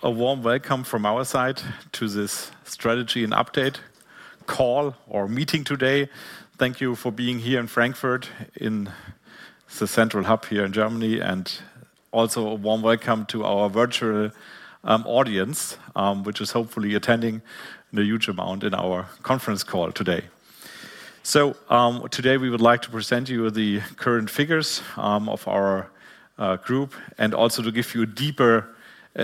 A warm welcome from our side to this strategy and update call or meeting today. Thank you for being here in Frankfurt in the central hub here in Germany, and also a warm welcome to our virtual audience, which is hopefully attending in a huge amount in our conference call today. Today, we would like to present you the current figures of our group and also to give you a deeper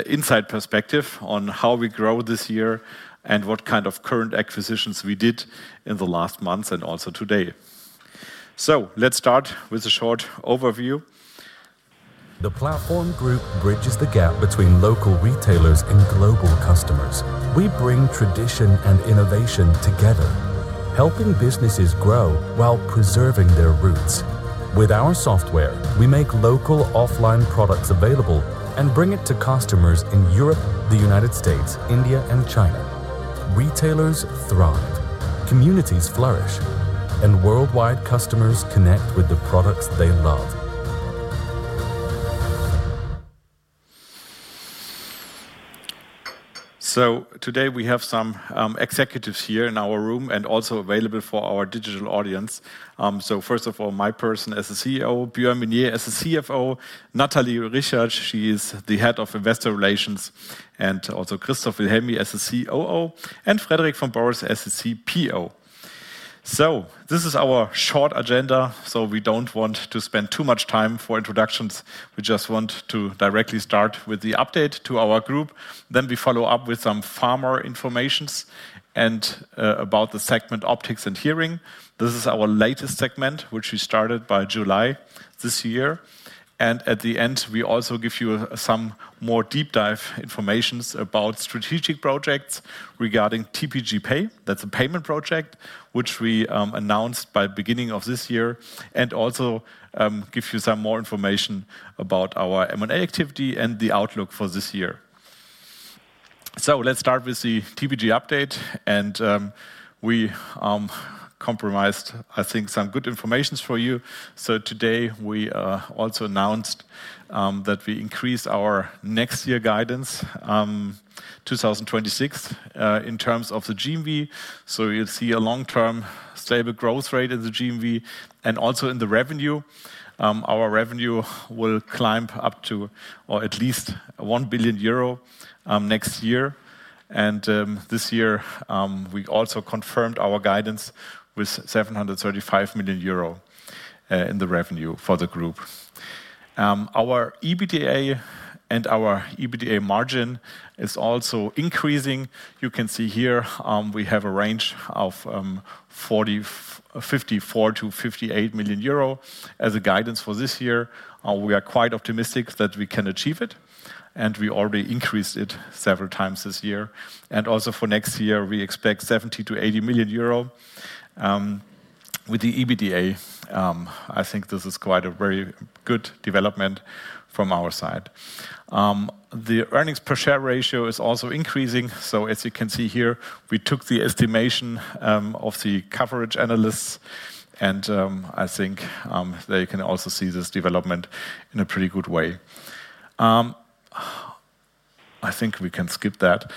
insight perspective on how we grow this year and what kind of current acquisitions we did in the last months and also today. Let's start with a short overview. The Platform Group bridges the gap between local retailers and global customers. We bring tradition and innovation together, helping businesses grow while preserving their roots. With our software, we make local offline products available and bring it to customers in Europe, the United States, India, and China. Retailers thrive, communities flourish, and worldwide customers connect with the products they love. Today, we have some executives here in our room and also available for our digital audience. First of all, my person as a CEO, Bjoern Minnier as a CFO, Nathalie Richert, she is the Head of Investor Relations, and also Christoph Wilhelmy as a COO, and Frederic von Borries as a CPO. This is our short agenda. We don't want to spend too much time for introductions. We just want to directly start with the update to our group. Then we follow up with some far more information about the segment optics and hearing. This is our latest segment, which we started by July this year. At the end, we also give you some more deep dive information about strategic projects regarding TPG Pay, that's a payment project which we announced by the beginning of this year, and also give you some more information about our M&A activity and the outlook for this year. Let's start with the TPG update. We compromised, I think, some good information for you. Today, we also announced that we increase our next year guidance, 2026, in terms of the GMV. You'll see a long-term stable growth rate in the GMV and also in the revenue. Our revenue will climb up to at least 1 billion euro next year. This year, we also confirmed our guidance with 735 million euro in the revenue for the group. Our EBITDA and our EBITDA margin is also increasing. You can see here, we have a range of 54 million-58 million euro as a guidance for this year. We are quite optimistic that we can achieve it, and we already increased it several times this year. Also, for next year, we expect 70 million-80 million euro with the EBITDA. I think this is quite a very good development from our side. The earnings per share ratio is also increasing. As you can see here, we took the estimation of the coverage analysts, and I think they can also see this development in a pretty good way. I think we can skip that.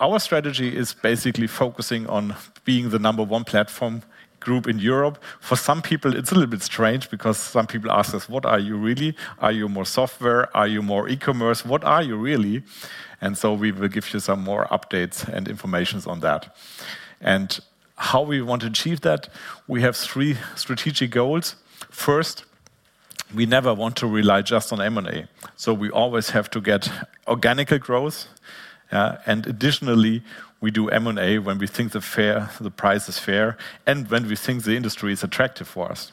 Our strategy is basically focusing on being the number one platform group in Europe. For some people, it's a little bit strange because some people ask us, what are you really? Are you more software? Are you more e-commerce? What are you really? We will give you some more updates and information on that. How we want to achieve that, we have three strategic goals. First, we never want to rely just on M&A. We always have to get organic growth. Additionally, we do M&A when we think the price is fair and when we think the industry is attractive for us.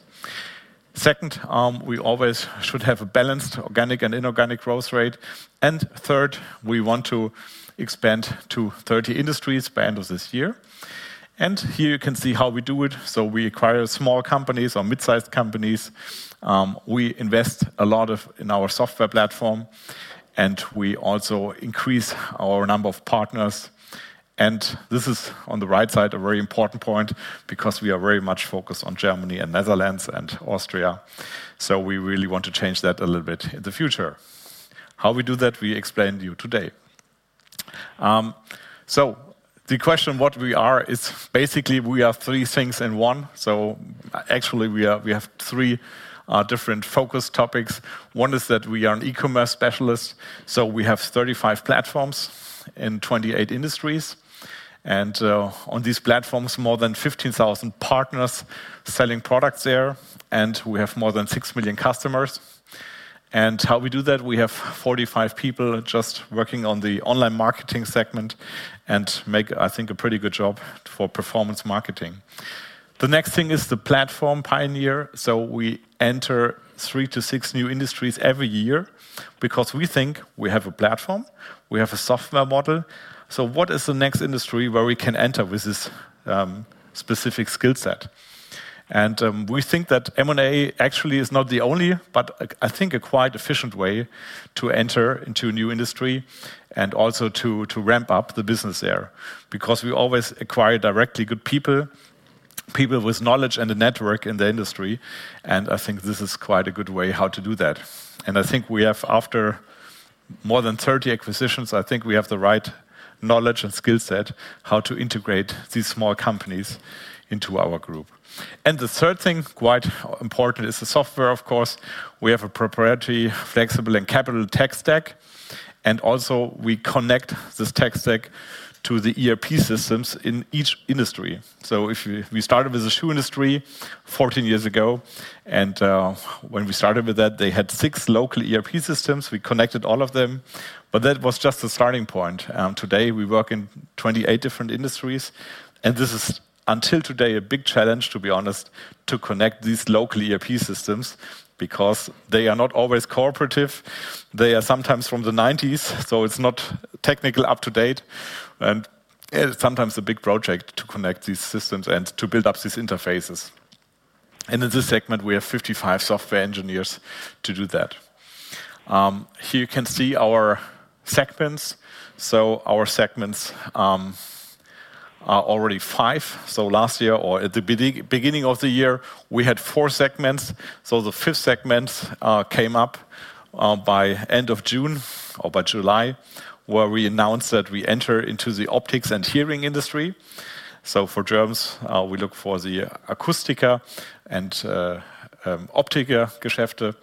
Second, we always should have a balanced organic and inorganic growth rate. Third, we want to expand to 30 industries by the end of this year. Here you can see how we do it. We acquire small companies or mid-sized companies. We invest a lot in our software platform, and we also increase our number of partners. This is on the right side, a very important point because we are very much focused on Germany, Netherlands, and Austria. We really want to change that a little bit in the future. How we do that, we explain to you today. The question of what we are is basically we have three things in one. Actually, we have three different focus topics. One is that we are an e-commerce specialist. We have 35 platforms in 28 industries, and on these platforms, more than 15,000 partners selling products there, and we have more than 6 million customers. How we do that, we have 45 people just working on the online marketing segment and make, I think, a pretty good job for performance marketing. The next thing is the platform pioneer. We enter three to six new industries every year because we think we have a platform, we have a software model. What is the next industry where we can enter with this specific skill set? We think that M&A actually is not the only, but I think a quite efficient way to enter into a new industry and also to ramp up the business there because we always acquire directly good people, people with knowledge and a network in the industry. I think this is quite a good way how to do that. I think we have, after more than 30 acquisitions, I think we have the right knowledge and skill set how to integrate these small companies into our group. The third thing, quite important, is the software, of course. We have a proprietary, flexible, and capital tech stack, and also we connect this tech stack to the ERP systems in each industry. If we started with the shoe industry 14 years ago, and when we started with that, they had six local ERP systems. We connected all of them, but that was just the starting point. Today, we work in 28 different industries, and this is, until today, a big challenge, to be honest, to connect these local ERP systems because they are not always cooperative. They are sometimes from the '90s, so it's not technical up to date, and it's sometimes a big project to connect these systems and to build up these interfaces. In this segment, we have 55 software engineers to do that. Here you can see our segments. Our segments are already five. Last year or at the beginning of the year, we had four segments. The fifth segment came up by the end of June or by July, where we announced that we enter into the optics and hearing industry. For Germany, we look for the Akustik and Optik Geschäfte.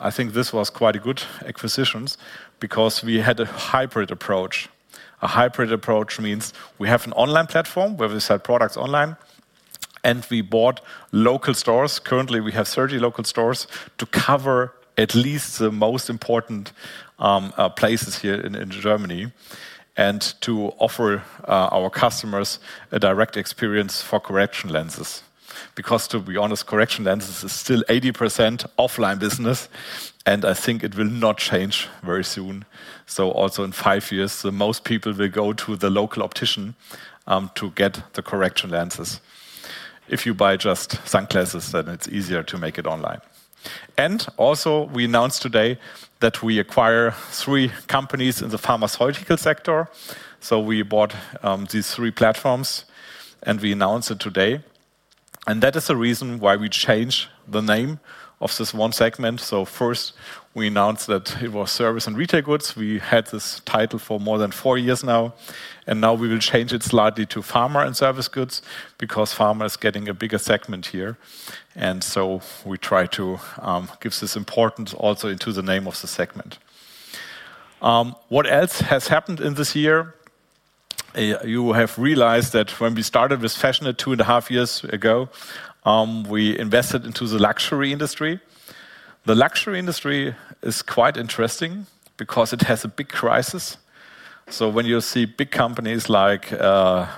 I think this was quite a good acquisition because we had a hybrid approach. A hybrid approach means we have an online platform where we sell products online, and we bought local stores. Currently, we have 30 local stores to cover at least the most important places here in Germany and to offer our customers a direct experience for correction lenses. Because to be honest, correction lenses are still 80% offline business, and I think it will not change very soon. Also, in five years, most people will go to the local optician to get the correction lenses. If you buy just sunglasses, then it's easier to make it online. Also, we announced today that we acquire three companies in the pharmaceutical sector. We bought these three platforms, and we announced it today. That is the reason why we changed the name of this one segment. First, we announced that it was service and retail goods. We had this title for more than four years now, and now we will change it slightly to pharma and service goods because pharma is getting a bigger segment here. We try to give this importance also into the name of the segment. What else has happened in this year? You have realized that when we started with fashionette two and a half years ago, we invested into the luxury industry. The luxury industry is quite interesting because it has a big crisis. When you see big companies like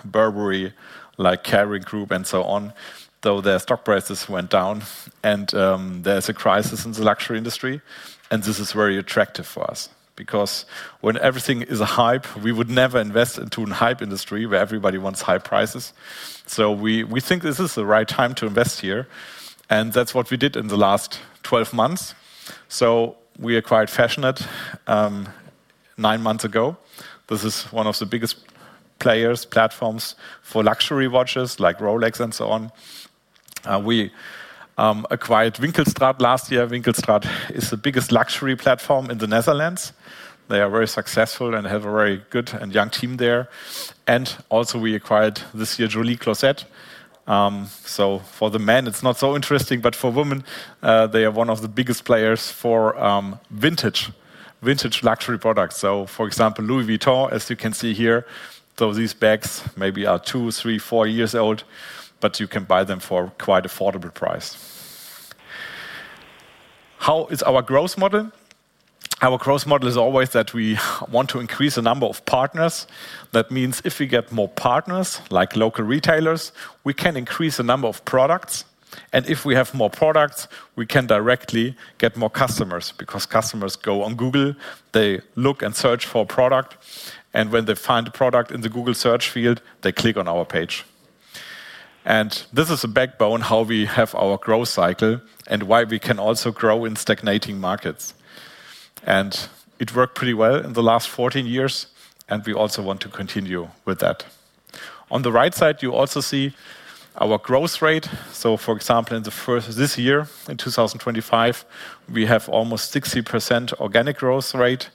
Burberry, like Kering Group, and so on, their stock prices went down, and there's a crisis in the luxury industry, this is very attractive for us because when everything is a hype, we would never invest into a hype industry where everybody wants high prices. We think this is the right time to invest here, and that's what we did in the last 12 months. We acquired fashionette nine months ago. This is one of the biggest players, platforms for luxury watches like Rolex and so on. We acquired Winkelstraat last year. Winkelstraat is the biggest luxury platform in the Netherlands. They are very successful and have a very good and young team there. Also, we acquired this year Joli Closet. For the men, it's not so interesting, but for women, they are one of the biggest players for vintage luxury products. For example, Louis Vuitton, as you can see here, though these bags maybe are two, three, four years old, but you can buy them for quite an affordable price. How is our growth model? Our growth model is always that we want to increase the number of partners. That means if we get more partners like local retailers, we can increase the number of products. If we have more products, we can directly get more customers because customers go on Google, they look and search for a product, and when they find a product in the Google search field, they click on our page. This is a backbone of how we have our growth cycle and why we can also grow in stagnating markets. It worked pretty well in the last 14 years, and we also want to continue with that. On the right side, you also see our growth rate. For example, in the first of this year, in 2025, we have almost 60% organic growth rate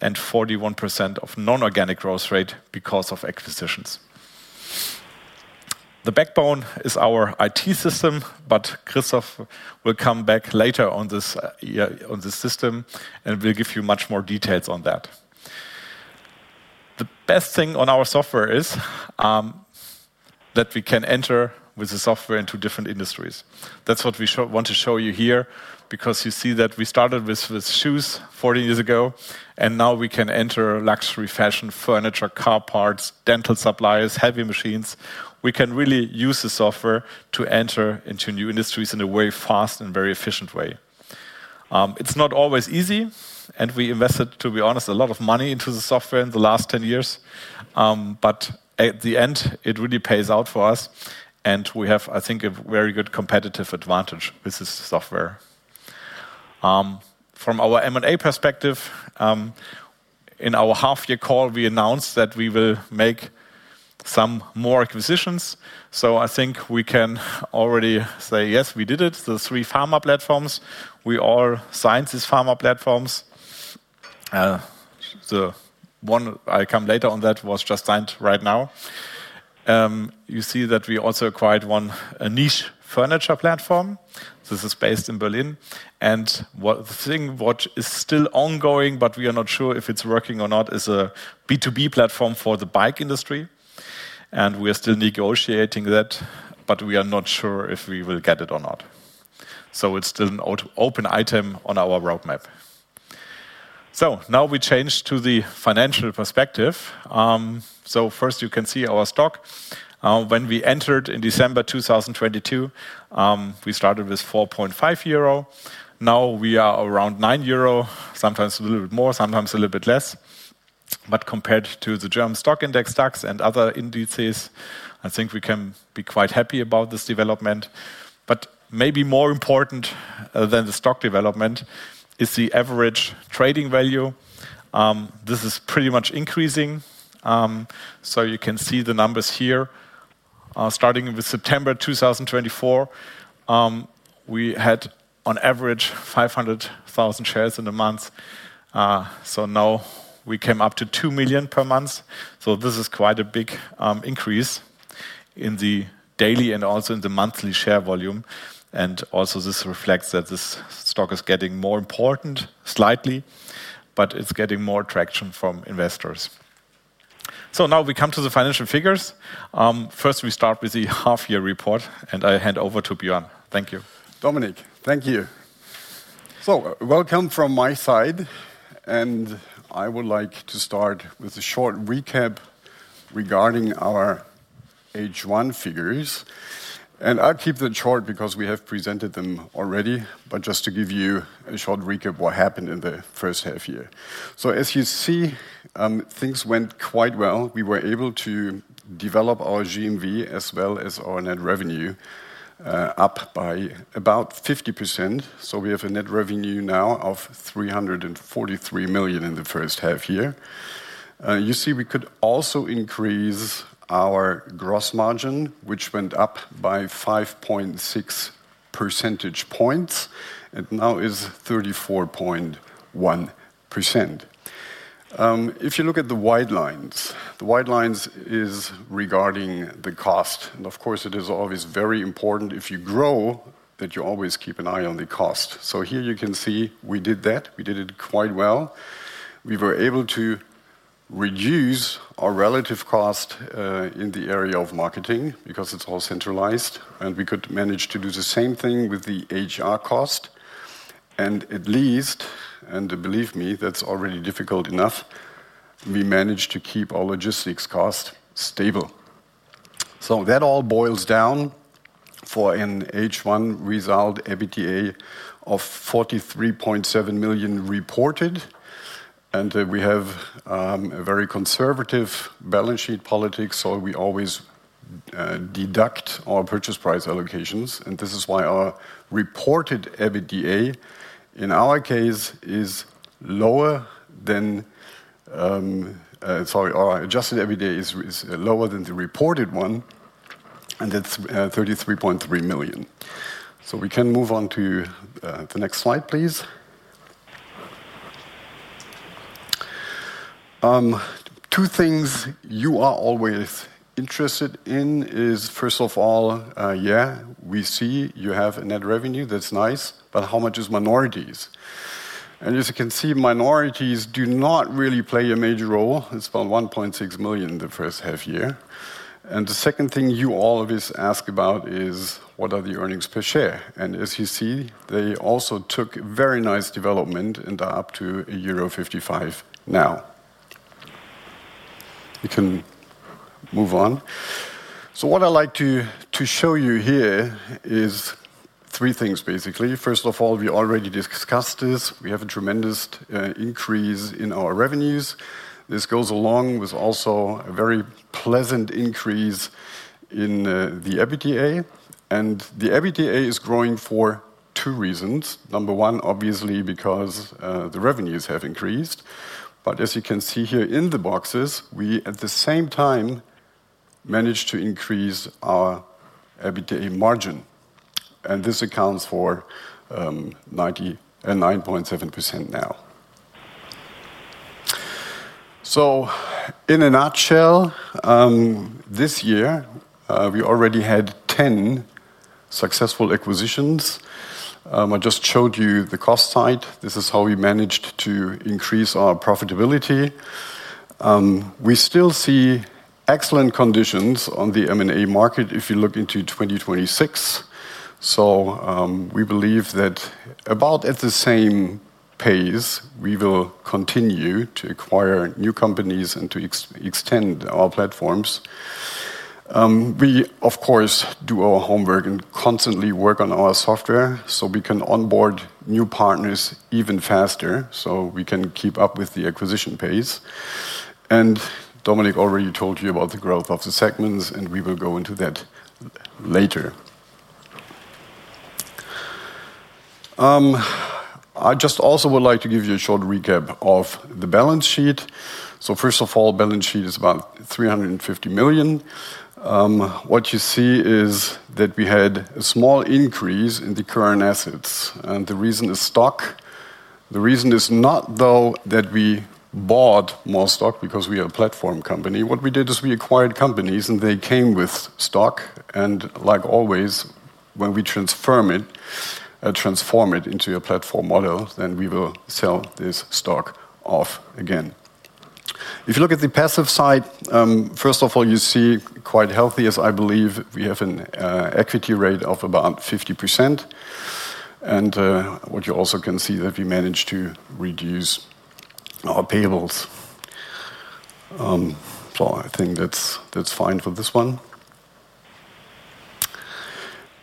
and 41% of non-organic growth rate because of acquisitions. The backbone is our IT system, but Christoph will come back later on this system and will give you much more details on that. The best thing on our software is that we can enter with the software into different industries. That's what we want to show you here because you see that we started with shoes 40 years ago, and now we can enter luxury fashion, furniture, car parts, dental supplies, heavy machines. We can really use the software to enter into new industries in a very fast and very efficient way. It's not always easy, and we invested, to be honest, a lot of money into the software in the last 10 years, but at the end, it really pays out for us, and we have, I think, a very good competitive advantage with this software. From our M&A perspective, in our half-year call, we announced that we will make some more acquisitions. I think we can already say, yes, we did it. The three pharma platforms, we all signed these pharma platforms. The one I come later on that was just signed right now. You see that we also acquired one niche furniture platform. This is based in Berlin. The thing which is still ongoing, but we are not sure if it's working or not, is a B2B platform for the bike industry. We are still negotiating that, but we are not sure if we will get it or not. It's still an open item on our roadmap. Now we change to the financial perspective. First, you can see our stock. When we entered in December 2022, we started with 4.5 euro. Now we are around 9 euro, sometimes a little bit more, sometimes a little bit less. Compared to the German stock index stocks and other indices, I think we can be quite happy about this development. Maybe more important than the stock development is the average trading value. This is pretty much increasing. You can see the numbers here. Starting with September 2024, we had on average 500,000 shares in a month. Now we came up to 2 million per month. This is quite a big increase in the daily and also in the monthly share volume. Also, this reflects that this stock is getting more important slightly, but it's getting more traction from investors. Now we come to the financial figures. First, we start with the half-year report, and I hand over to Bjoern. Thank you. Dominik, thank you. Welcome from my side. I would like to start with a short recap regarding our H1 figures. I'll keep them short because we have presented them already, but just to give you a short recap of what happened in the first half year. As you see, things went quite well. We were able to develop our GMV as well as our net revenue up by about 50%. We have a net revenue now of 343 million in the first half year. You see, we could also increase our gross margin, which went up by 5.6 percentage points. It now is 34.1%. If you look at the white lines, the white lines are regarding the cost. Of course, it is always very important if you grow that you always keep an eye on the cost. Here you can see we did that. We did it quite well. We were able to reduce our relative cost in the area of marketing because it's all centralized, and we could manage to do the same thing with the HR cost. At least, and believe me, that's already difficult enough, we managed to keep our logistics cost stable. That all boils down for an H1 result EBITDA of 43.7 million reported. We have a very conservative balance sheet politics, so we always deduct our purchase price allocations. This is why our reported EBITDA in our case is lower than our adjusted EBITDA is lower than the reported one, and that's 33.3 million. We can move on to the next slide, please. Two things you are always interested in is, first of all, yeah, we see you have a net revenue that's nice, but how much is minorities? As you can see, minorities do not really play a major role. It's about 1.6 million in the first half year. The second thing you always ask about is what are the earnings per share? As you see, they also took a very nice development and are up to euro 1.55 now. We can move on. What I like to show you here is three things, basically. First of all, we already discussed this. We have a tremendous increase in our revenues. This goes along with also a very pleasant increase in the EBITDA. The EBITDA is growing for two reasons. Number one, obviously, because the revenues have increased. As you can see here in the boxes, we at the same time managed to increase our EBITDA margin, and this accounts for 9.7% now. In a nutshell, this year we already had 10 successful acquisitions. I just showed you the cost side. This is how we managed to increase our profitability. We still see excellent conditions on the M&A market if you look into 2026. We believe that about at the same pace we will continue to acquire new companies and to extend our platforms. We, of course, do our homework and constantly work on our software, so we can onboard new partners even faster, so we can keep up with the acquisition pace. Dominik already told you about the growth of the segments, and we will go into that later. I just also would like to give you a short recap of the balance sheet. First of all, the balance sheet is about 350 million. What you see is that we had a small increase in the current assets, and the reason is stock. The reason is not though that we bought more stock because we are a platform company. What we did is we acquired companies and they came with stock. Like always, when we transform it into a platform model, then we will sell this stock off again. If you look at the passive side, first of all, you see quite healthy, as I believe, we have an equity ratio of about 50%. What you also can see is that we managed to reduce our payables. I think that's fine for this one.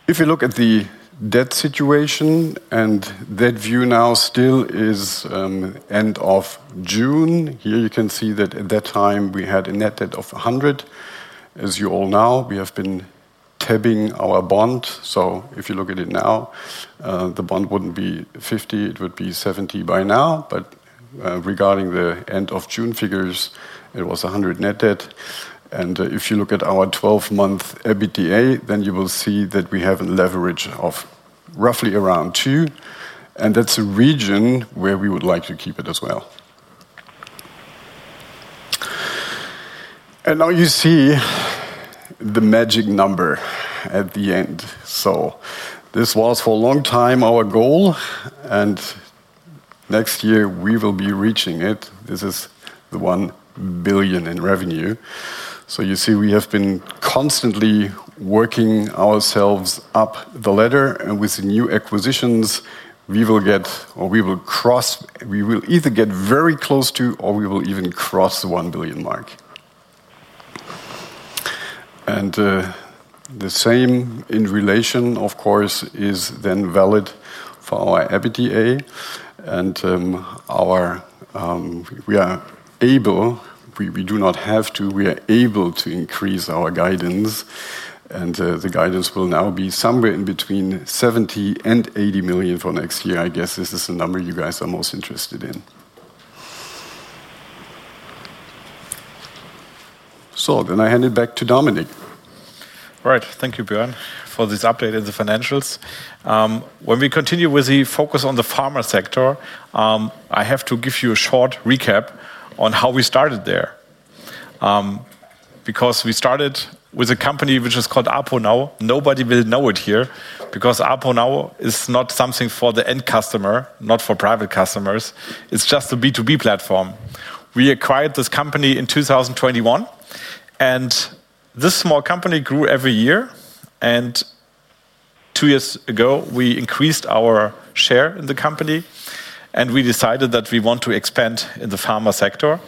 If you look at the debt situation, and that view now still is end of June, here you can see that at that time we had a net debt of 100 million. As you all know, we have been tapping our bond. If you look at it now, the bond wouldn't be 50 million, it would be 70 million by now. Regarding the end of June figures, it was 100 million net debt. If you look at our 12-month EBITDA, then you will see that we have a leverage ratio of roughly around two. That's a region where we would like to keep it as well. Now you see the magic number at the end. This was for a long time our goal, and next year we will be reaching it. This is the one billion in revenue. You see, we have been constantly working ourselves up the ladder, and with the new acquisitions, we will get or we will cross, we will either get very close to or we will even cross the one billion mark. The same in relation, of course, is then valid for our EBITDA. We are able, we do not have to, we are able to increase our guidance, and the guidance will now be somewhere in between 70 million and 80 million for next year. I guess this is the number you guys are most interested in. I hand it back to Dominik. Thank you, Bjoern, for this update in the financials. When we continue with the focus on the pharma sector, I have to give you a short recap on how we started there because we started with a company which is called ApoNow. Nobody will know it here because ApoNow is not something for the end customer, not for private customers. It's just a B2B platform. We acquired this company in 2021, and this small company grew every year. Two years ago, we increased our share in the company, and we decided that we want to expand in the pharma sector.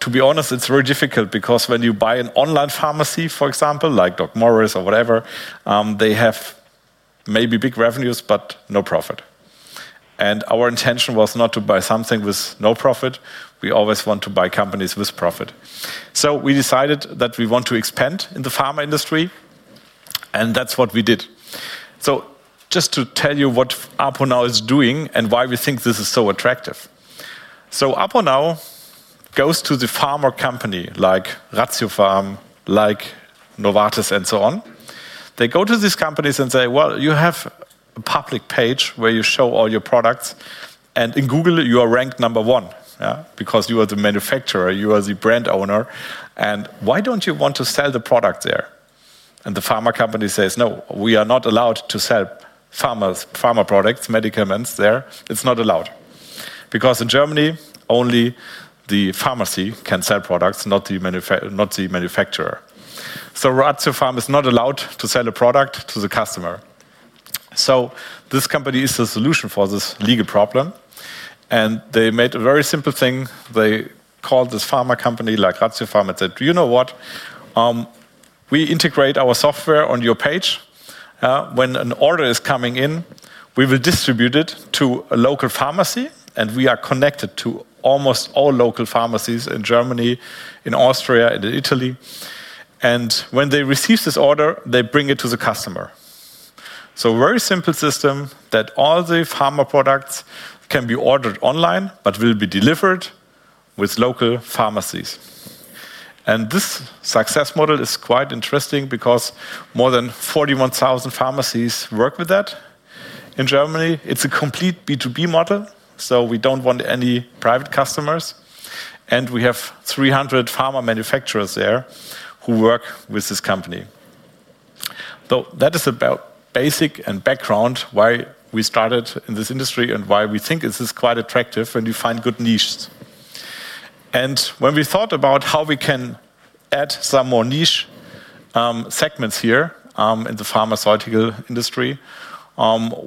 To be honest, it's very difficult because when you buy an online pharmacy, for example, like DocMorris or whatever, they have maybe big revenues, but no profit. Our intention was not to buy something with no profit. We always want to buy companies with profit. We decided that we want to expand in the pharma industry, and that's what we did. Just to tell you what ApoNow is doing and why we think this is so attractive. ApoNow goes to the pharma company like Ratiopharm, like Novartis, and so on. They go to these companies and say, you have a public page where you show all your products, and in Google, you are ranked number one because you are the manufacturer, you are the brand owner. Why don't you want to sell the product there? The pharma company says, no, we are not allowed to sell pharma products, medicaments there. It's not allowed because in Germany, only the pharmacy can sell products, not the manufacturer. Ratiopharm is not allowed to sell a product to the customer. This company is the solution for this legal problem, and they made a very simple thing. They called this pharma company, like Ratiopharm, and said, you know what? We integrate our software on your page. When an order is coming in, we will distribute it to a local pharmacy, and we are connected to almost all local pharmacies in Germany, in Austria, and in Italy. When they receive this order, they bring it to the customer. A very simple system that all the pharma products can be ordered online, but will be delivered with local pharmacies. This success model is quite interesting because more than 41,000 pharmacies work with that. In Germany, it's a complete B2B model, so we don't want any private customers, and we have 300 pharma manufacturers there who work with this company. That is a basic background why we started in this industry and why we think it is quite attractive when you find good niches. When we thought about how we can add some more niche segments here in the pharmaceutical industry,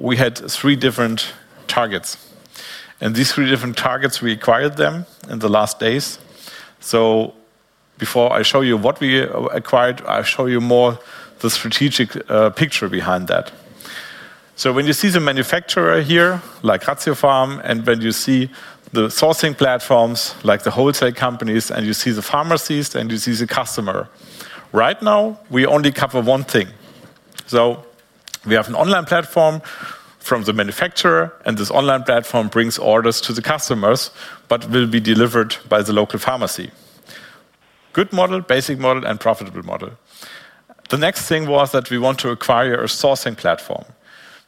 we had three different targets. These three different targets, we acquired them in the last days. Before I show you what we acquired, I'll show you more the strategic picture behind that. When you see the manufacturer here, like Ratiopharm, and when you see the sourcing platforms, like the wholesale companies, and you see the pharmacies, then you see the customer. Right now, we only cover one thing. We have an online platform from the manufacturer, and this online platform brings orders to the customers, but will be delivered by the local pharmacy. Good model, basic model, and profitable model. The next thing was that we want to acquire a sourcing platform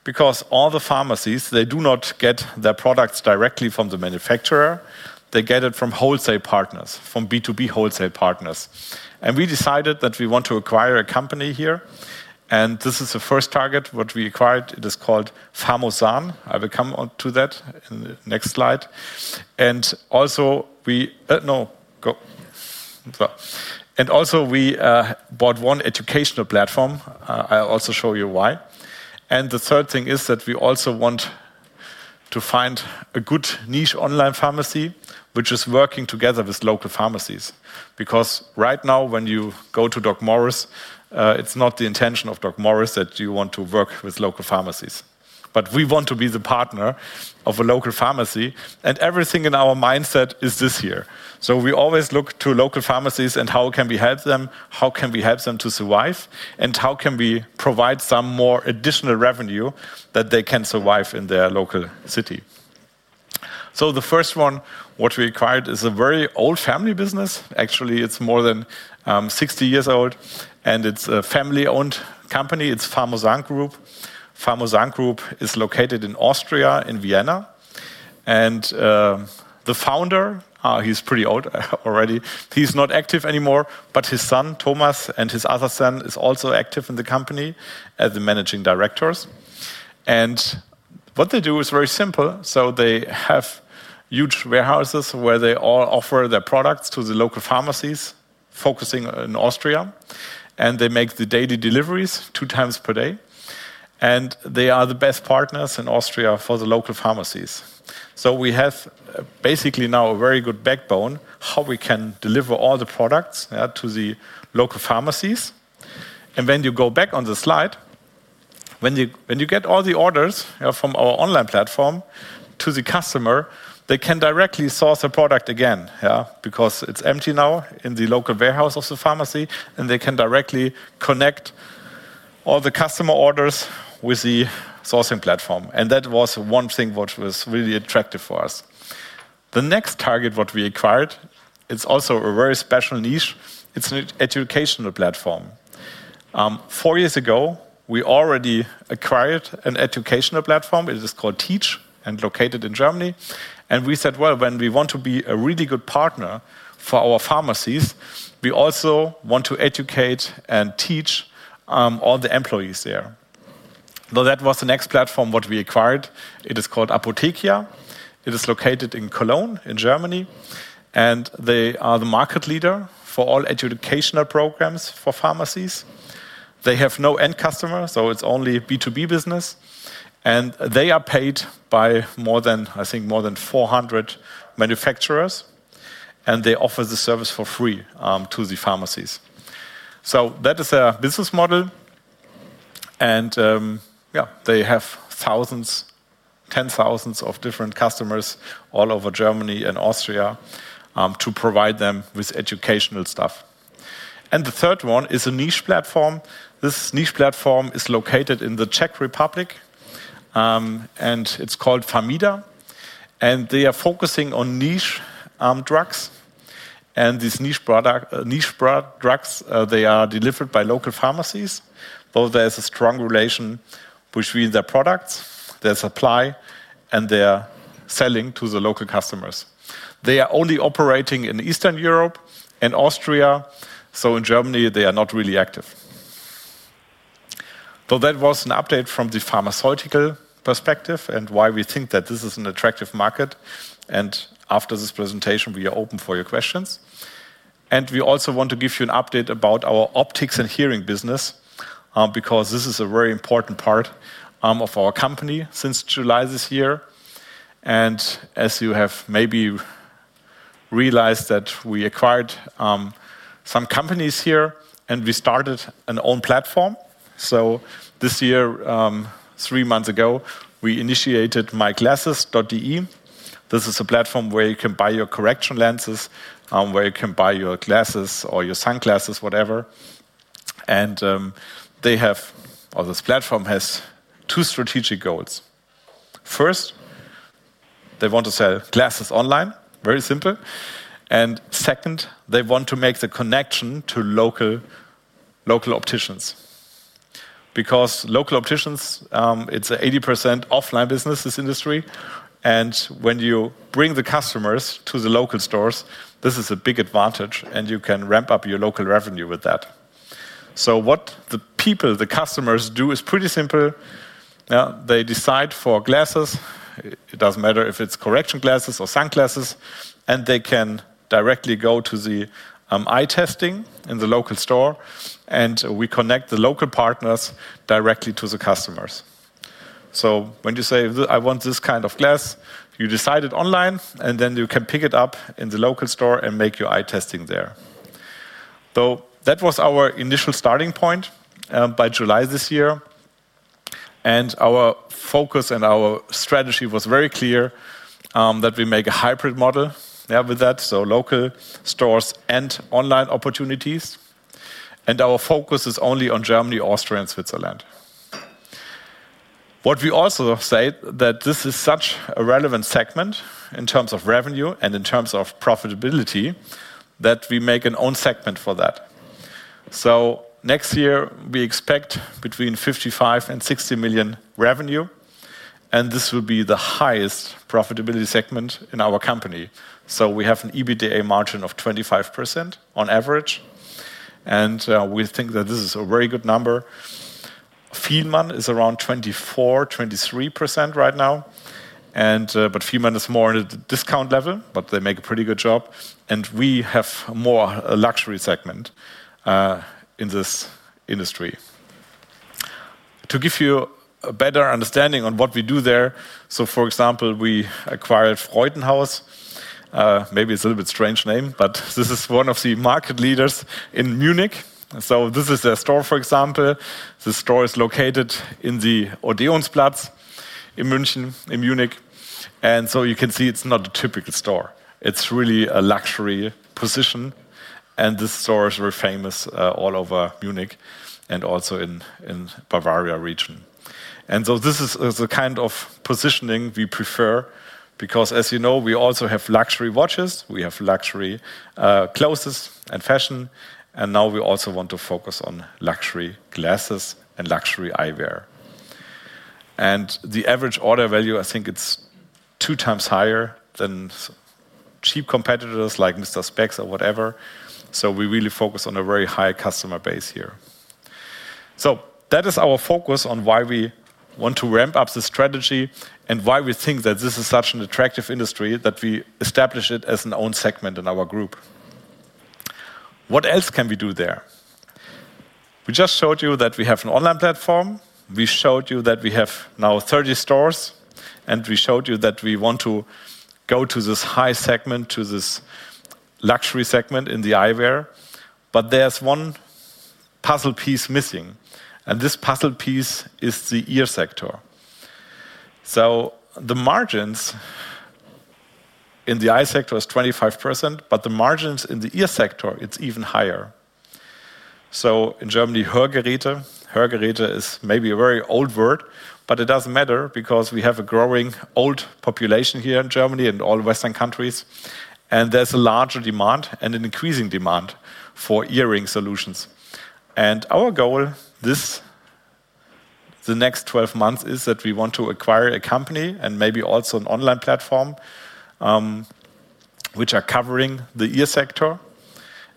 because all the pharmacies, they do not get their products directly from the manufacturer. They get it from wholesale partners, from B2B wholesale partners. We decided that we want to acquire a company here, and this is the first target what we acquired. It is called Pharmosan. I will come to that in the next slide. Also, we bought one educational platform. I'll also show you why. The third thing is that we also want to find a good niche online pharmacy, which is working together with local pharmacies. Right now, when you go to DocMorris, it's not the intention of DocMorris that you want to work with local pharmacies, but we want to be the partner of a local pharmacy. Everything in our mindset is this here. We always look to local pharmacies and how can we help them, how can we help them to survive, and how can we provide some more additional revenue that they can survive in their local city. The first one what we acquired is a very old family business. Actually, it's more than 60 years old, and it's a family-owned company. It's Pharmosan Group. Pharmosan Group is located in Austria, in Vienna. The founder, he's pretty old already. He's not active anymore, but his son, Thomas, and his other son are also active in the company as the Managing Directors. What they do is very simple. They have huge warehouses where they all offer their products to the local pharmacies, focusing in Austria. They make the daily deliveries two times per day, and they are the best partners in Austria for the local pharmacies. We have basically now a very good backbone how we can deliver all the products to the local pharmacies. When you go back on the slide, when you get all the orders from our online platform to the customer, they can directly source the product again because it's empty now in the local warehouse of the pharmacy, and they can directly connect all the customer orders with the sourcing platform. That was one thing that was really attractive for us. The next target we acquired is also a very special niche. It's an educational platform. Four years ago, we already acquired an educational platform. It is called Teech and located in Germany. We said, when we want to be a really good partner for our pharmacies, we also want to educate and teach all the employees there. That was the next platform we acquired. It is called Apothekia. It is located in Cologne in Germany, and they are the market leader for all educational programs for pharmacies. They have no end customer, so it's only B2B business. They are paid by more than, I think, more than 400 manufacturers, and they offer the service for free to the pharmacies. That is their business model. They have thousands, tens of thousands of different customers all over Germany and Austria to provide them with educational stuff. The third one is a niche platform. This niche platform is located in the Czech Republic, and it's called Vamida. They are focusing on niche drugs, and these niche drugs, they are delivered by local pharmacies. There is a strong relation between their products, their supply, and their selling to the local customers. They are only operating in Eastern Europe and Austria. In Germany, they are not really active. That was an update from the pharmaceutical perspective and why we think that this is an attractive market. After this presentation, we are open for your questions. We also want to give you an update about our optics and hearing business because this is a very important part of our company since July this year. As you have maybe realized, we acquired some companies here, and we started our own platform. This year, three months ago, we initiated myglasses.de. This is a platform where you can buy your correction lenses, where you can buy your glasses or your sunglasses, whatever. This platform has two strategic goals. First, they want to sell glasses online, very simple. Second, they want to make the connection to local opticians because local opticians, it's an 80% offline business in this industry. When you bring the customers to the local stores, this is a big advantage, and you can ramp up your local revenue with that. What the people, the customers do is pretty simple. They decide for glasses. It doesn't matter if it's correction glasses or sunglasses, and they can directly go to the eye testing in the local store, and we connect the local partners directly to the customers. When you say, I want this kind of glass, you decide it online, and then you can pick it up in the local store and make your eye testing there. That was our initial starting point by July this year. Our focus and our strategy was very clear that we make a hybrid model with that, so local stores and online opportunities. Our focus is only on Germany, Austria, and Switzerland. What we also said is that this is such a relevant segment in terms of revenue and in terms of profitability that we make an own segment for that. Next year, we expect between 55 million and 60 million revenue, and this will be the highest profitability segment in our company. We have an EBITDA margin of 25% on average, and we think that this is a very good number. Fielmann is around 24%, 23% right now, but Fielmann is more at a discount level, but they make a pretty good job. We have more luxury segment in this industry. To give you a better understanding on what we do there, for example, we acquired Freudenhaus. Maybe it's a little bit strange name, but this is one of the market leaders in Munich. This is their store, for example. The store is located in the Odeonsplatz in Munich. You can see it's not a typical store. It's really a luxury position, and this store is very famous all over Munich and also in the Bavaria region. This is the kind of positioning we prefer because, as you know, we also have luxury watches, we have luxury clothes and fashion, and now we also want to focus on luxury glasses and luxury eyewear. The average order value, I think it's two times higher than cheap competitors like Mister Spex or whatever. We really focus on a very high customer base here. That is our focus on why we want to ramp up the strategy and why we think that this is such an attractive industry that we establish it as an own segment in our group. What else can we do there? We just showed you that we have an online platform. We showed you that we have now 30 stores, and we showed you that we want to go to this high segment, to this luxury segment in the eyewear. There's one puzzle piece missing, and this puzzle piece is the ear sector. The margins in the eye sector are 25%, but the margins in the ear sector are even higher. In Germany, Hörgeräte. Hörgeräte is maybe a very old word, but it doesn't matter because we have a growing old population here in Germany and all Western countries, and there's a larger demand and an increasing demand for earring solutions. Our goal the next 12 months is that we want to acquire a company and maybe also an online platform which are covering the ear sector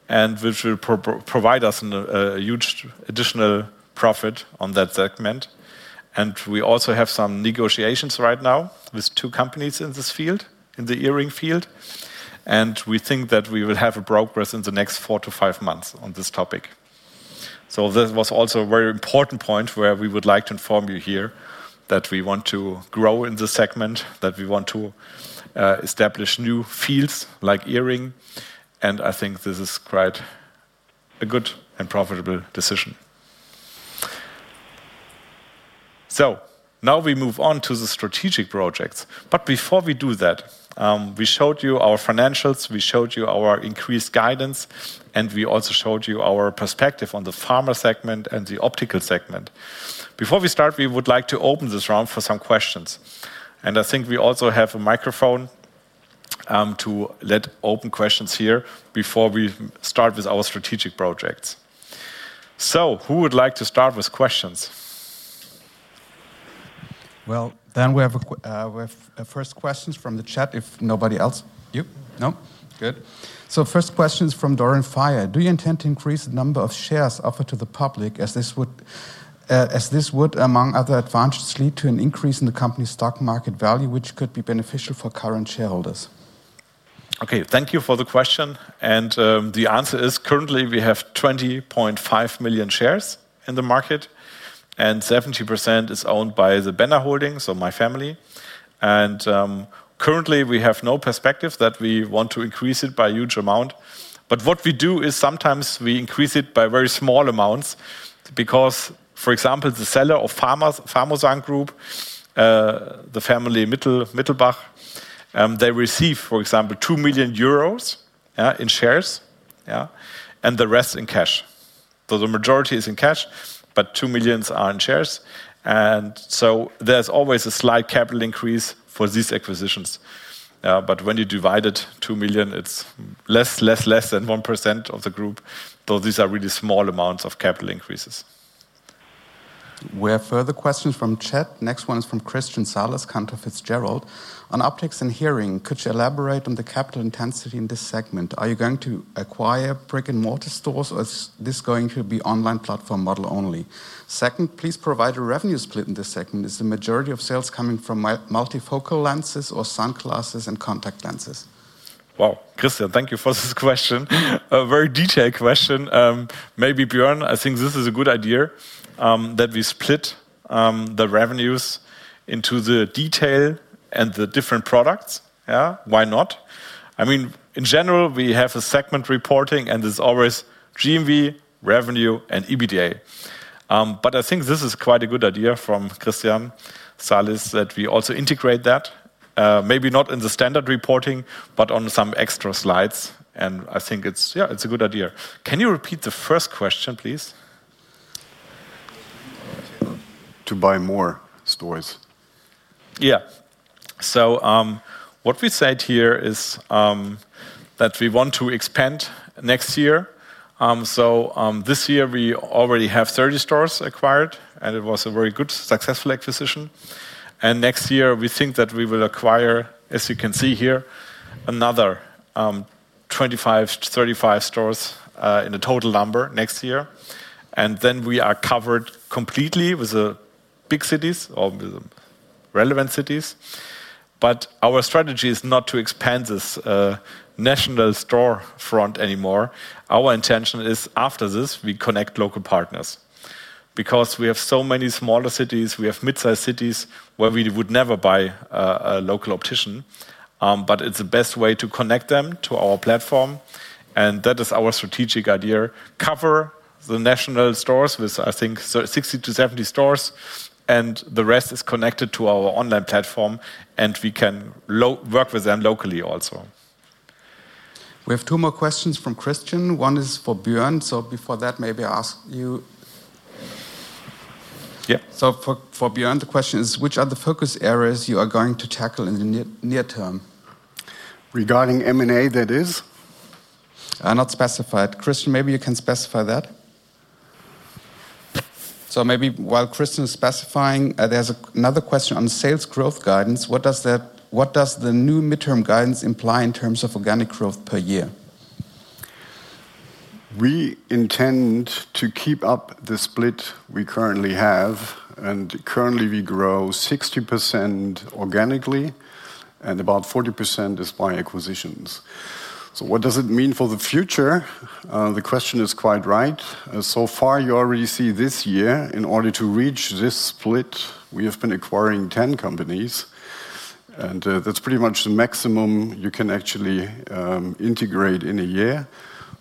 and which will provide us a huge additional profit on that segment. We also have some negotiations right now with two companies in this field, in the earring field. We think that we will have progress in the next four to five months on this topic. This was also a very important point where we would like to inform you here that we want to grow in this segment, that we want to establish new fields like earring, and I think this is quite a good and profitable decision. Now we move on to the strategic projects. Before we do that, we showed you our financials, we showed you our increased guidance, and we also showed you our perspective on the pharma segment and the optical segment. Before we start, we would like to open this round for some questions. I think we also have a microphone to let open questions here before we start with our strategic projects. Who would like to start with questions? We have first questions from the chat if nobody else. You? No? Good. First question is from [Bjoern Fire]. Do you intend to increase the number of shares offered to the public as this would, among other advantages, lead to an increase in the company's stock market value, which could be beneficial for current shareholders? Thank you for the question. The answer is currently we have 20.5 million shares in the market, and 70% is owned by the Benner Holdings, so my family. Currently, we have no perspective that we want to increase it by a huge amount. What we do is sometimes we increase it by very small amounts because, for example, the seller of Pharmosan Group, the family Mittelbach, they receive, for example, 2 million euros in shares and the rest in cash. The majority is in cash, but 2 million are in shares. There's always a slight capital increase for these acquisitions. When you divide it, 2 million, it's less, less, less than 1% of the group. These are really small amounts of capital increases. We have further questions from chat. Next one is from Christian Salas, Cantor Fitzgerald. On optics and hearing, could you elaborate on the capital intensity in this segment? Are you going to acquire brick and mortar stores, or is this going to be an online platform model only? Second, please provide a revenue split in this segment. Is the majority of sales coming from multifocal lenses or sunglasses and contact lenses? Christian, thank you for this question. A very detailed question. Maybe Bjoern, I think this is a good idea that we split the revenues into the detail and the different products. Why not? In general, we have a segment reporting, and it's always GMV, revenue, and EBITDA. I think this is quite a good idea from Christian Salas that we also integrate that, maybe not in the standard reporting, but on some extra slides. I think it's a good idea. Can you repeat the first question, please? To buy more stores. Yes. What we said here is that we want to expand next year. This year, we already have 30 stores acquired, and it was a very good, successful acquisition. Next year, we think that we will acquire, as you can see here, another 25 to 35 stores in the total number next year. We are covered completely with big cities or with relevant cities. Our strategy is not to expand this national storefront anymore. Our intention is after this, we connect local partners because we have so many smaller cities. We have mid-sized cities where we would never buy a local optician, but it's the best way to connect them to our platform. That is our strategic idea. Cover the national stores with, I think, 60 to 70 stores, and the rest is connected to our online platform, and we can work with them locally also. We have two more questions from Christian. One is for Bjoern. Before that, maybe I ask you. For Björn, the question is, which are the focus areas you are going to tackle in the near term? Regarding M&A, that is. Not specified. Christian, maybe you can specify that. Maybe while Christian is specifying, there's another question on sales growth guidance. What does the new midterm guidance imply in terms of organic growth per year? We intend to keep up the split we currently have, and currently we grow 60% organically, and about 40% is by acquisitions. What does it mean for the future? The question is quite right. So far, you already see this year, in order to reach this split, we have been acquiring 10 companies, and that's pretty much the maximum you can actually integrate in a year.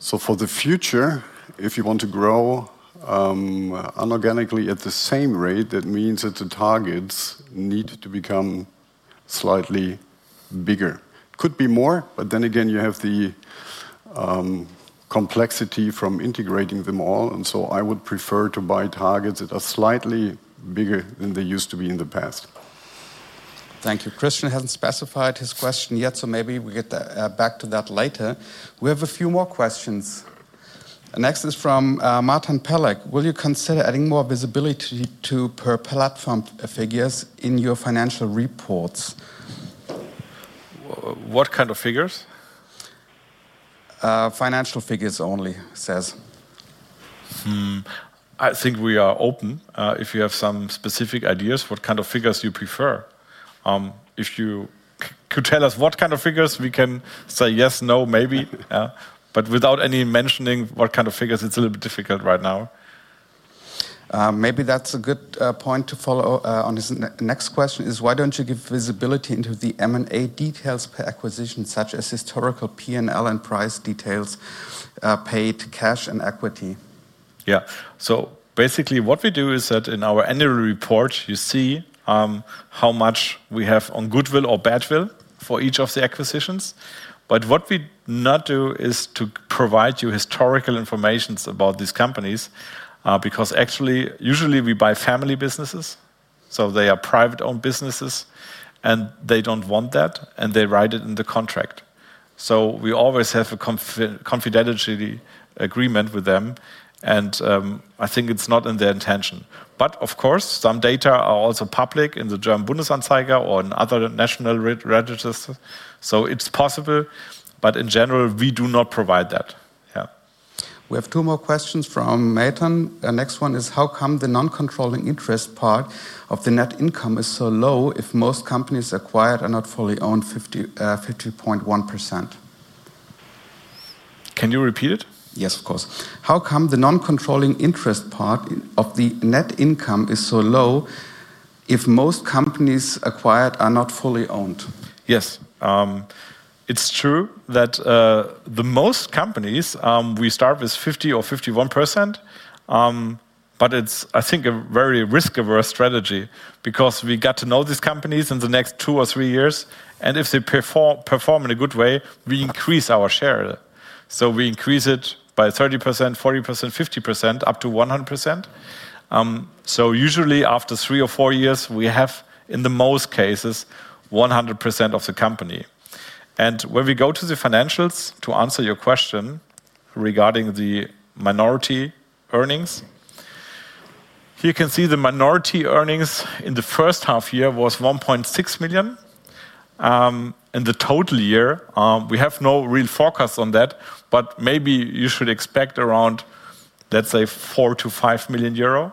For the future, if you want to grow unorganically at the same rate, that means that the targets need to become slightly bigger. It could be more, but you have the complexity from integrating them all. I would prefer to buy targets that are slightly bigger than they used to be in the past. Thank you. Christian hasn't specified his question yet, so maybe we get back to that later. We have a few more questions. Next is from [Martin Pelleck]. Will you consider adding more visibility to per platform figures in your financial reports? What kind of figures? Financial figures only, he says. I think we are open. If you have some specific ideas, what kind of figures you prefer, if you could tell us what kind of figures, we can say yes, no, maybe. Without any mentioning what kind of figures, it's a little bit difficult right now. Maybe that's a good point to follow on this next question. Why don't you give visibility into the M&A details per acquisition, such as historical P&L and price details, paid cash and equity? Yeah. Basically, what we do is that in our annual report, you see how much we have on goodwill or badwill for each of the acquisitions. What we not do is provide you historical information about these companies because actually, usually we buy family businesses, so they are private-owned businesses, and they don't want that, and they write it in the contract. We always have a confidentiality agreement with them, and I think it's not in their intention. Of course, some data are also public in the German Bundesanzeiger or in other national registers. It's possible, but in general, we do not provide that. We have two more questions from Nathan. The next one is, how come the non-controlling interest part of the net income is so low if most companies acquired are not fully owned 50.1%? Can you repeat it? Yes, of course. How come the non-controlling interest part of the net income is so low if most companies acquired are not fully owned? Yes. It's true that most companies, we start with 50% or 51%, but it's, I think, a very risk-averse strategy because we get to know these companies in the next two or three years, and if they perform in a good way, we increase our share. We increase it by 30%, 40%, 50%, up to 100%. Usually, after three or four years, we have, in most cases, 100% of the company. When we go to the financials, to answer your question regarding the minority earnings, here you can see the minority earnings in the first half year was 1.6 million. In the total year, we have no real forecast on that, but maybe you should expect around, let's say, 4 million-5 million euro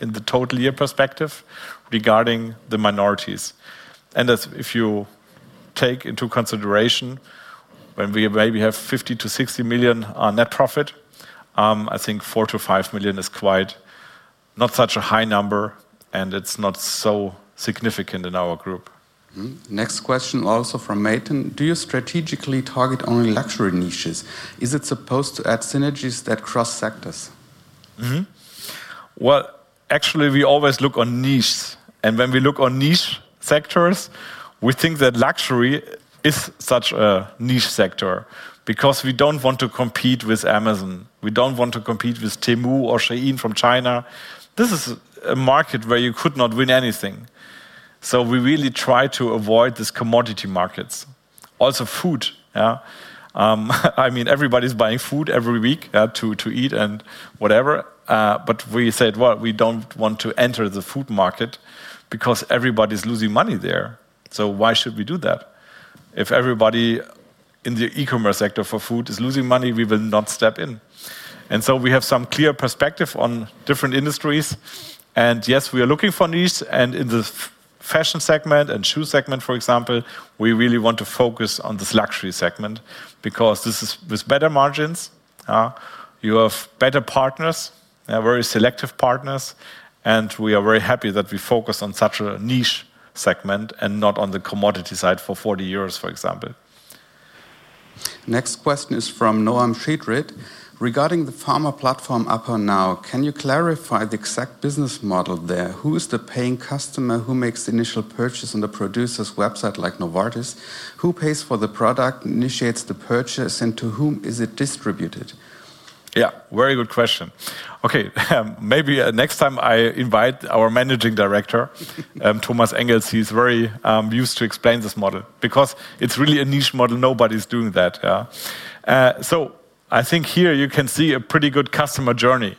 in the total year perspective regarding the minorities. If you take into consideration when we maybe have 50 million-60 million net profit, I think 4 million-5 million is quite not such a high number, and it's not so significant in our group. Next question also from Nathan. Do you strategically target only luxury niches? Is it supposed to add synergies that cross sectors? Actually, we always look on niches, and when we look on niche sectors, we think that luxury is such a niche sector because we don't want to compete with Amazon. We don't want to compete with Temu or Shein from China. This is a market where you could not win anything. We really try to avoid these commodity markets. Also, food. I mean, everybody's buying food every week to eat and whatever, but we said we don't want to enter the food market because everybody's losing money there. Why should we do that? If everybody in the e-commerce sector for food is losing money, we will not step in. We have some clear perspective on different industries, and yes, we are looking for niches. In the fashion segment and shoe segment, for example, we really want to focus on this luxury segment because this is with better margins. You have better partners, very selective partners, and we are very happy that we focus on such a niche segment and not on the commodity side for 40 euros, for example. Next question is from [Noam Shedrid]. Regarding the pharma platform ApoNow, can you clarify the exact business model there? Who is the paying customer? Who makes the initial purchase on the producer's website, like Novartis? Who pays for the product, initiates the purchase, and to whom is it distributed? Yeah, very good question. Maybe next time I invite our Managing Director, Thomas Engels. He's very used to explain this model because it's really a niche model. Nobody's doing that. I think here you can see a pretty good customer journey.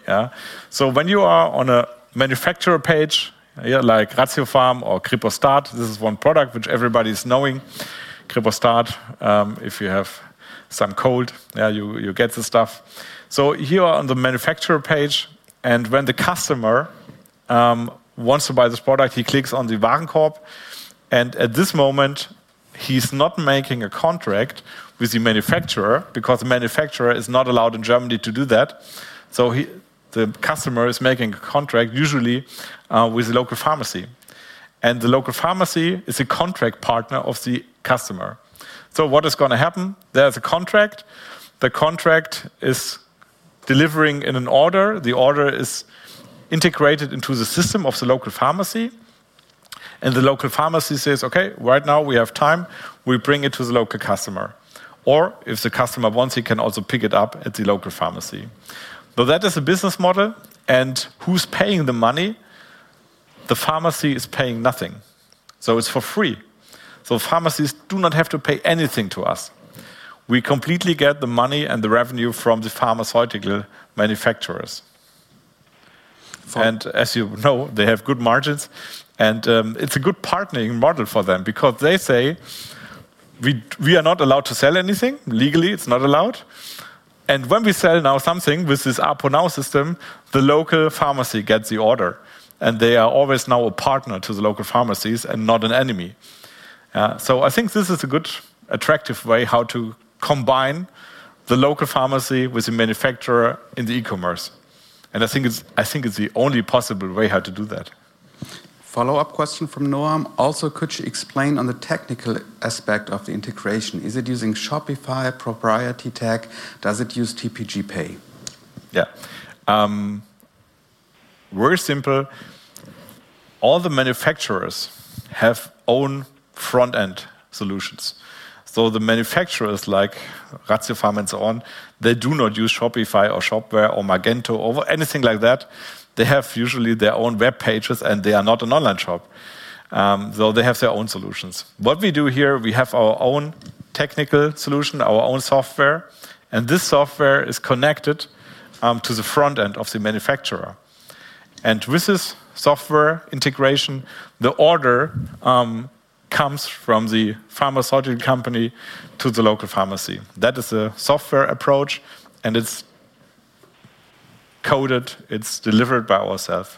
When you are on a manufacturer page, like Ratiopharm or [KripoStart], this is one product which everybody's knowing. [KripoStart], if you have some cold, you get this stuff. Here on the manufacturer page, when the customer wants to buy this product, he clicks on the Warenkorb, and at this moment, he's not making a contract with the manufacturer because the manufacturer is not allowed in Germany to do that. The customer is making a contract usually with a local pharmacy, and the local pharmacy is a contract partner of the customer. What is going to happen? There's a contract. The contract is delivering in an order. The order is integrated into the system of the local pharmacy, and the local pharmacy says, okay, right now we have time, we bring it to the local customer. If the customer wants, he can also pick it up at the local pharmacy. That is a business model, and who's paying the money? The pharmacy is paying nothing, so it's for free. Pharmacies do not have to pay anything to us. We completely get the money and the revenue from the pharmaceutical manufacturers. As you know, they have good margins, and it's a good partnering model for them because they say we are not allowed to sell anything. Legally, it's not allowed. When we sell now something with this ApoNow system, the local pharmacy gets the order, and they are always now a partner to the local pharmacies and not an enemy. I think this is a good, attractive way how to combine the local pharmacy with the manufacturer in the e-commerce. I think it's the only possible way how to do that. Follow-up question from Noam. Also, could you explain on the technical aspect of the integration? Is it using Shopify, a proprietary tag? Does it use TPG Pay? Yeah. Very simple. All the manufacturers have own front-end solutions. The manufacturers like Ratiopharm and so on, they do not use Shopify or Shopware or Magento or anything like that. They have usually their own web pages, and they are not an online shop, though they have their own solutions. What we do here, we have our own technical solution, our own software, and this software is connected to the front end of the manufacturer. With this software integration, the order comes from the pharmaceutical company to the local pharmacy. That is a software approach, and it's coded. It's delivered by ourselves.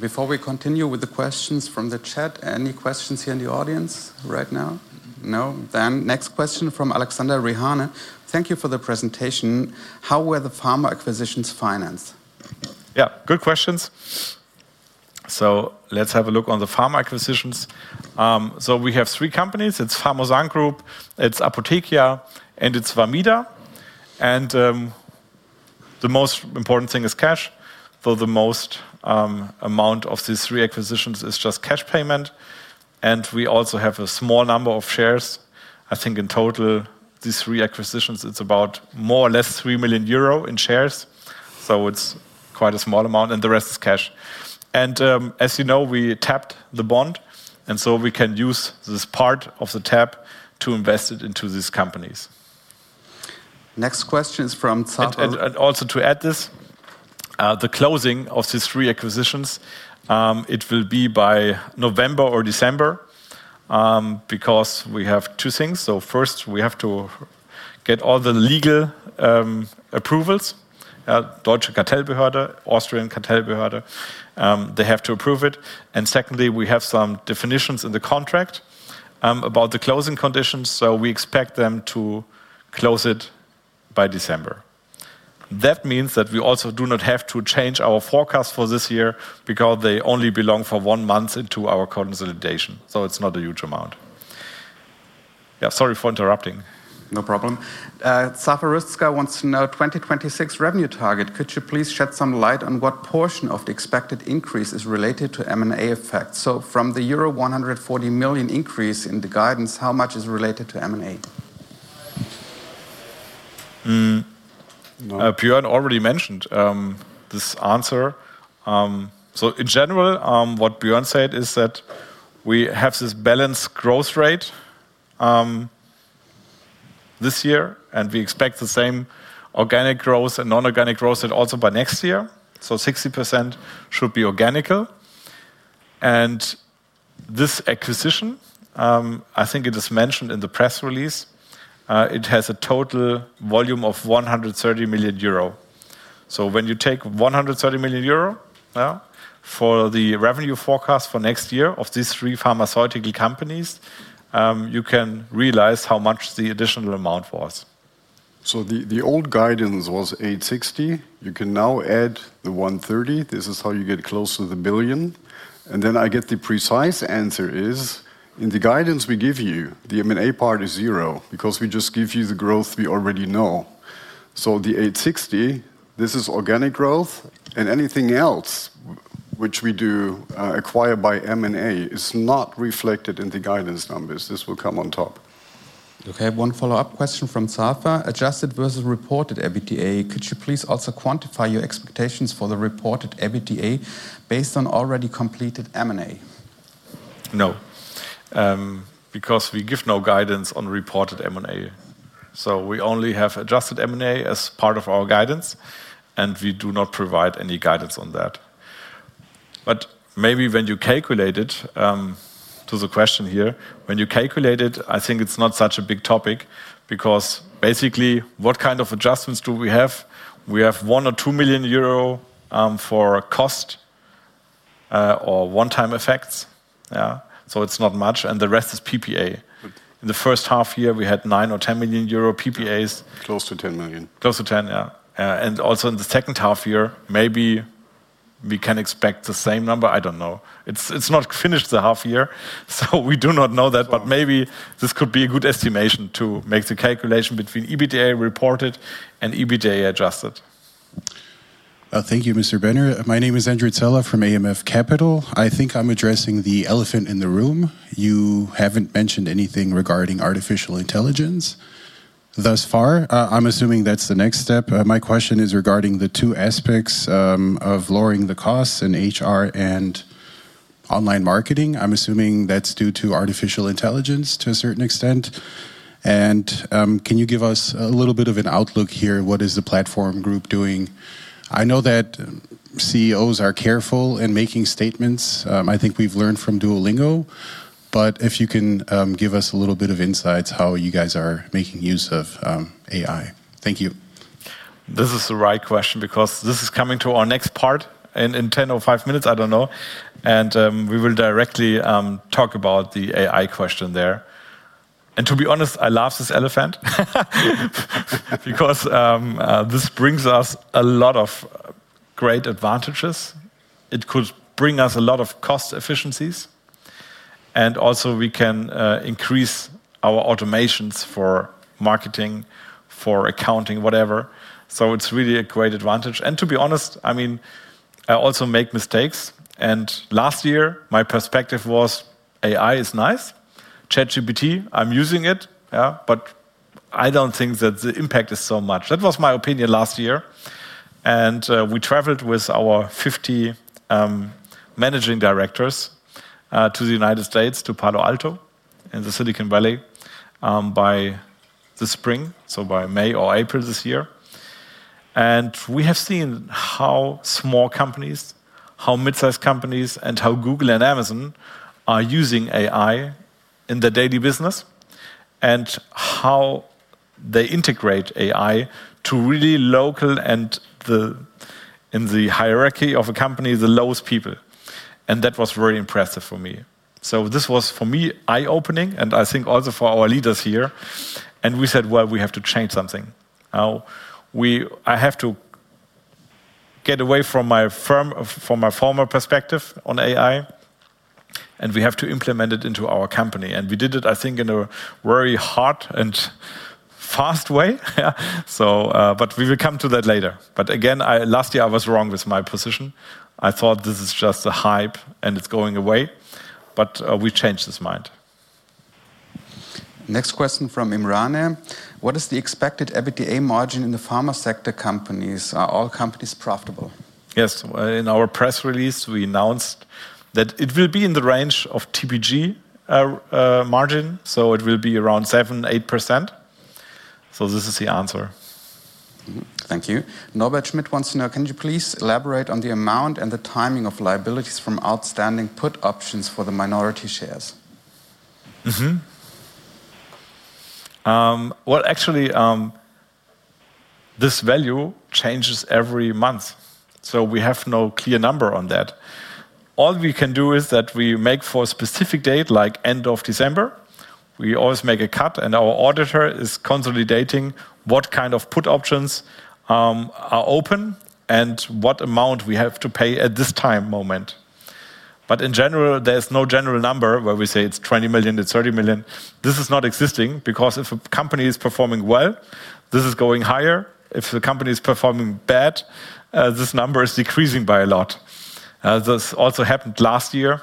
Before we continue with the questions from the chat, any questions here in the audience right now? No? Next question from [Alexander Rihanna]. Thank you for the presentation. How were the pharma acquisitions financed? Yeah, good questions. Let's have a look on the pharma acquisitions. We have three companies. It's Pharmosan Group, it's Apothekia, and it's Vamida. The most important thing is cash. The most amount of these three acquisitions is just cash payment, and we also have a small number of shares. I think in total, these three acquisitions, it's about more or less 3 million euro in shares. It's quite a small amount, and the rest is cash. As you know, we tapped the bond, and we can use this part of the tap to invest it into these companies. Next question is from Sato. To add this, the closing of these three acquisitions will be by November or December because we have two things. First, we have to get all the legal approvals. Deutsche Kartellbehörden, Austrian Kartellbehörden, they have to approve it. Secondly, we have some definitions in the contract about the closing conditions, so we expect them to close it by December. That means that we also do not have to change our forecast for this year because they only belong for one month into our consolidation, so it's not a huge amount. Sorry for interrupting. No problem. [Safa Ristska] wants to know 2026 revenue target. Could you please shed some light on what portion of the expected increase is related to M&A effects? From the euro 140 million increase in the guidance, how much is related to M&A? Bjoern already mentioned this answer. In general, what Bjoern said is that we have this balanced growth rate this year, and we expect the same organic growth and non-organic growth also by next year. 60% should be organic. This acquisition, I think it is mentioned in the press release, it has a total volume of 130 million euro. When you take 130 million euro for the revenue forecast for next year of these three pharmaceutical companies, you can realize how much the additional amount was. The old guidance was 860 million. You can now add the 130 million. This is how you get close to the billion. The precise answer is in the guidance we give you, the M&A part is zero because we just give you the growth we already know. The 860 million, this is organic growth, and anything else which we do acquire by M&A is not reflected in the guidance numbers. This will come on top. We have one follow-up question from Safa. Adjusted versus reported EBITDA. Could you please also quantify your expectations for the reported EBITDA based on already completed M&A? No, because we give no guidance on reported M&A. We only have adjusted M&A as part of our guidance, and we do not provide any guidance on that. Maybe when you calculate it, to the question here, when you calculate it, I think it's not such a big topic because basically, what kind of adjustments do we have? We have 1 million or 2 million euro for cost or one-time effects. It's not much, and the rest is PPA. In the first half year, we had 9 million or 10 million euro PPAs. Close to 10 million. Close to 10 million, yeah. Also, in the second half year, maybe we can expect the same number. I don't know. It's not finished the half year, so we do not know that, but maybe this could be a good estimation to make the calculation between EBITDA reported and EBITDA adjusted. Thank you, Mr. Benner. My name is Andrew Teller from AMF Capital. I think I'm addressing the elephant in the room. You haven't mentioned anything regarding artificial intelligence thus far. I'm assuming that's the next step. My question is regarding the two aspects of lowering the costs in HR and online marketing. I'm assuming that's due to artificial intelligence to a certain extent. Can you give us a little bit of an outlook here? What is The Platform Group doing? I know that CEOs are careful in making statements. I think we've learned from Duolingo, but if you can give us a little bit of insights how you guys are making use of AI. Thank you. This is the right question because this is coming to our next part in 10 or 5 minutes, I don't know. We will directly talk about the AI question there. To be honest, I love this elephant because this brings us a lot of great advantages. It could bring us a lot of cost efficiencies, and also we can increase our automations for marketing, for accounting, whatever. It's really a great advantage. To be honest, I also make mistakes, and last year, my perspective was AI is nice. ChatGPT, I'm using it, but I don't think that the impact is so much. That was my opinion last year. We traveled with our 50 Managing Directors to the United States, to Palo Alto in Silicon Valley, by the spring, so by May or April this year. We have seen how small companies, how mid-sized companies, and how Google and Amazon are using AI in their daily business and how they integrate AI to really local, and in the hierarchy of a company, the lowest people. That was very impressive for me. This was for me eye-opening, and I think also for our leaders here. We said we have to change something. I have to get away from my former perspective on AI, and we have to implement it into our company. We did it, I think, in a very hard and fast way. We will come to that later. Again, last year I was wrong with my position. I thought this is just a hype, and it's going away, but we changed this mind. Next question from [Imrana]. What is the expected EBITDA margin in the pharma sector companies? Are all companies profitable? Yes. In our press release, we announced that it will be in the range of TPG margin, so it will be around 7% to 8%. This is the answer. Thank you. [Novak Schmidt] wants to know, can you please elaborate on the amount and the timing of liabilities from outstanding put options for the minority shares? Actually, this value changes every month, so we have no clear number on that. All we can do is that we make for a specific date, like end of December. We always make a cut, and our auditor is consolidating what kind of put options are open and what amount we have to pay at this time moment. In general, there's no general number where we say it's 20 million, it's 30 million. This is not existing because if a company is performing well, this is going higher. If a company is performing bad, this number is decreasing by a lot. This also happened last year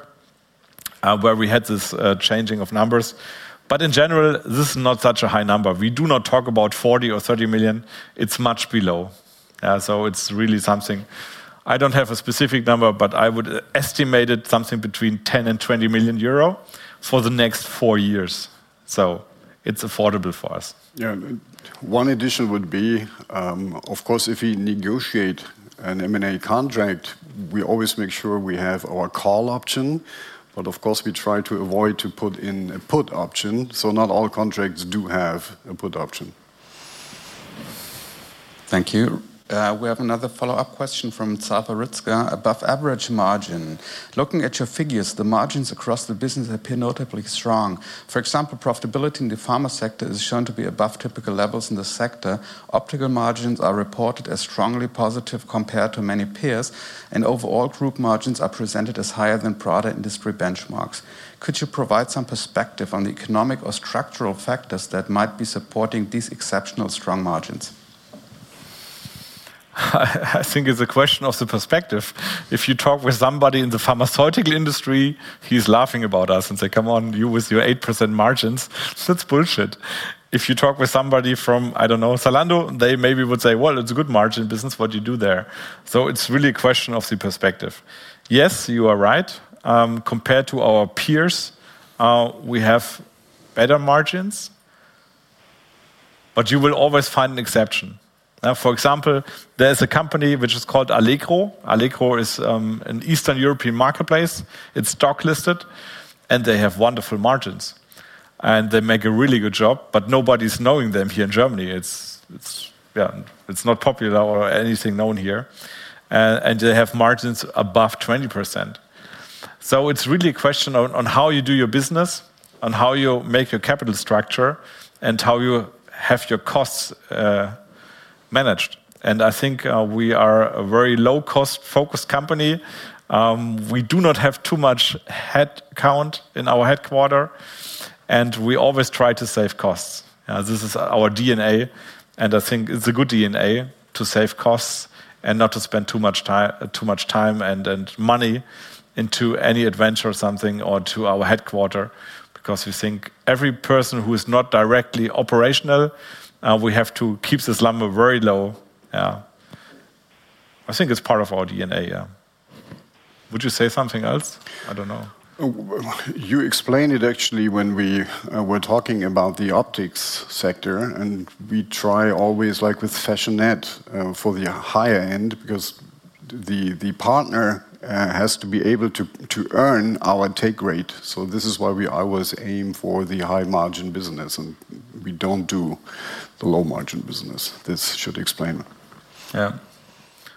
where we had this changing of numbers. In general, this is not such a high number. We do not talk about 40 million or 30 million. It's much below. It's really something. I don't have a specific number, but I would estimate it something between 10 million and 20 million euro for the next four years. It's affordable for us. Yeah. One addition would be, of course, if we negotiate an M&A contract, we always make sure we have our call option, but of course, we try to avoid to put in a put option. Not all contracts do have a put option. Thank you. We have another follow-up question from [Safa Ristka]. Above average margin. Looking at your figures, the margins across the business appear notably strong. For example, profitability in the pharma sector is shown to be above typical levels in the sector. Optical margins are reported as strongly positive compared to many peers, and overall group margins are presented as higher than broader industry benchmarks. Could you provide some perspective on the economic or structural factors that might be supporting these exceptionally strong margins? I think it's a question of the perspective. If you talk with somebody in the pharmaceutical industry, he's laughing about us and says, come on, you with your 8% margins, so it's bullshit. If you talk with somebody from, I don't know, Zalando, they maybe would say, yeah, it's a good margin. This is what you do there. It's really a question of the perspective. Yes, you are right. Compared to our peers, we have better margins, but you will always find an exception. For example, there is a company which is called Allegro. Allegro is an Eastern European marketplace. It's stock listed, and they have wonderful margins, and they make a really good job, but nobody's knowing them here in Germany. It's not popular or anything known here, and they have margins above 20%. It's really a question on how you do your business, on how you make your capital structure, and how you have your costs managed. I think we are a very low-cost focused company. We do not have too much headcount in our headquarters, and we always try to save costs. This is our DNA, and I think it's a good DNA to save costs and not to spend too much time and money into any adventure or something or to our headquarter because we think every person who is not directly operational, we have to keep this number very low. I think it's part of our DNA. Would you say something else? I don't know. You explained it actually when we were talking about the optics sector, and we try always, like with fashionette, for the higher end because the partner has to be able to earn our take rate. This is why we always aim for the high margin business, and we don't do the low margin business. This should explain it. Yeah.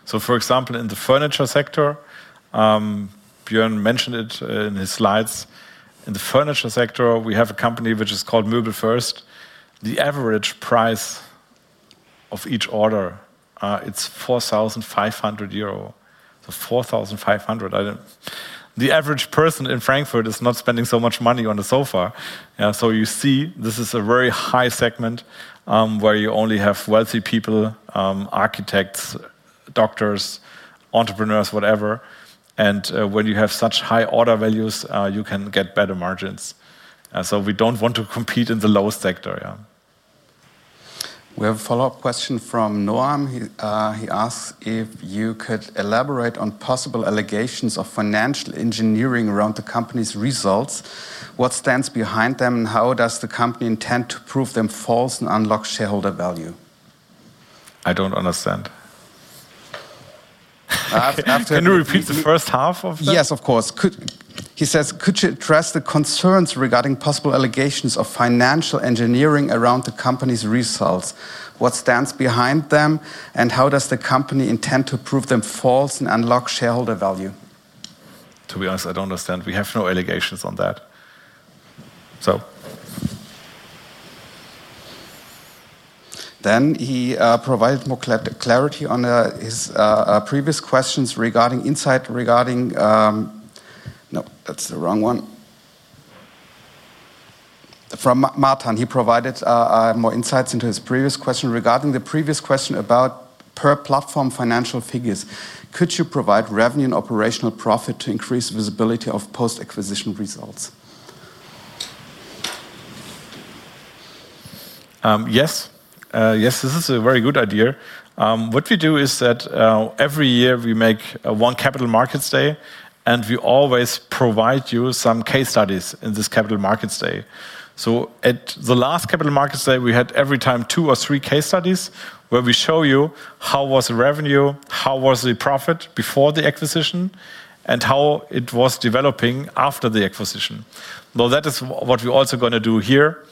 For example, in the furniture sector, Bjoern mentioned it in his slides. In the furniture sector, we have a company which is called MöbelFirst. The average price of each order, it's 4,500. The average person in Frankfurt is not spending so much money on a sofa. You see, this is a very high segment where you only have wealthy people, architects, doctors, entrepreneurs, whatever. When you have such high order values, you can get better margins. We don't want to compete in the low sector. We have a follow-up question from [Noam]. He asks if you could elaborate on possible allegations of financial engineering around the company's results. What stands behind them, and how does the company intend to prove them false and unlock shareholder value? I don't understand. Can you repeat the first half of that? Yes, of course. He says, could you address the concerns regarding possible allegations of financial engineering around the company's results? What stands behind them, and how does the company intend to prove them false and unlock shareholder value? To be honest, I don't understand. We have no allegations on that. [Martin] provided more insights into his previous question regarding the previous question about per platform financial figures. Could you provide revenue and operational profit to increase visibility of post-acquisition results? Yes. Yes, this is a very good idea. What we do is that every year we make one Capital Markets Day, and we always provide you some case studies in this Capital Markets Day. At the last Capital Markets Day, we had every time two or three case studies where we show you how was the revenue, how was the profit before the acquisition, and how it was developing after the acquisition. That is what we're also going to do here,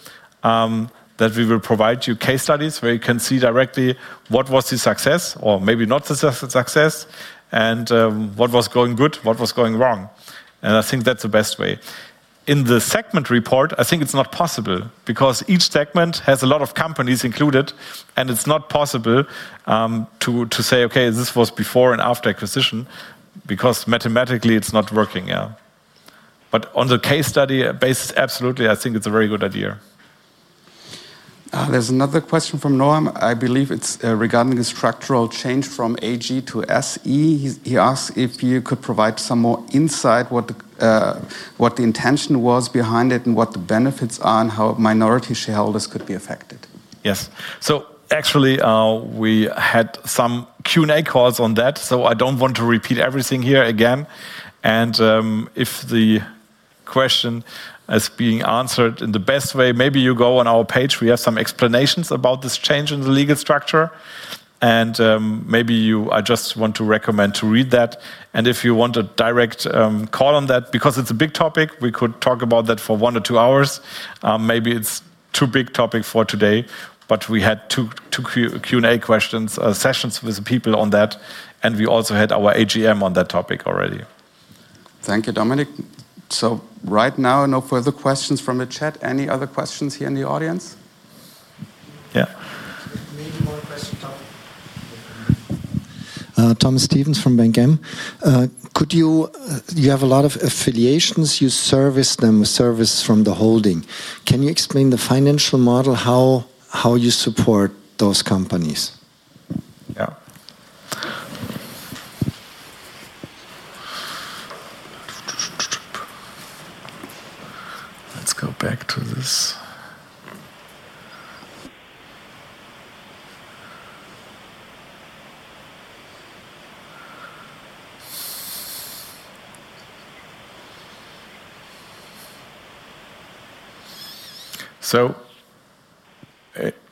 that we will provide you case studies where you can see directly what was the success or maybe not the success, and what was going good, what was going wrong. I think that's the best way. In the segment report, I think it's not possible because each segment has a lot of companies included, and it's not possible to say, okay, this was before and after acquisition because mathematically it's not working. On the case study basis, absolutely, I think it's a very good idea. There's another question from [Noam]. I believe it's regarding the structural change from AG to SE. He asks if you could provide some more insight, what the intention was behind it, what the benefits are, and how minority shareholders could be affected. Yes. Actually, we had some Q&A calls on that, so I don't want to repeat everything here again. If the question is being answered in the best way, maybe you go on our page. We have some explanations about this change in the legal structure, and maybe you just want to recommend to read that. If you want a direct call on that, because it's a big topic, we could talk about that for one or two hours. Maybe it's too big a topic for today, but we had two Q&A sessions with people on that, and we also had our AGM on that topic already. Thank you, Dominik. Right now, no further questions from the chat. Any other questions here in the audience? Yeah. Thomas Stevens from [Benguem]. You have a lot of affiliations. You service them with service from the holding. Can you explain the financial model, how you support those companies? Yeah. Let's go back to this.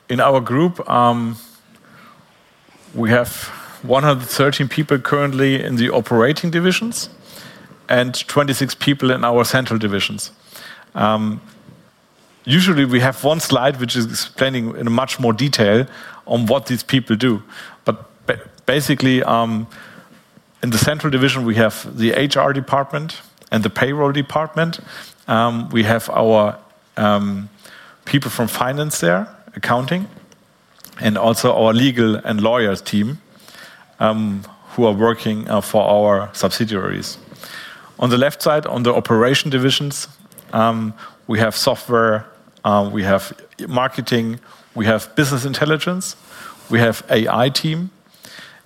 In our group, we have 113 people currently in the operating divisions and 26 people in our central divisions. Usually, we have one slide which is explaining in much more detail on what these people do. Basically, in the central division, we have the HR department and the payroll department. We have our people from finance there, accounting, and also our legal and lawyers team who are working for our subsidiaries. On the left side, on the operation divisions, we have software, we have marketing, we have business intelligence, we have the AI team,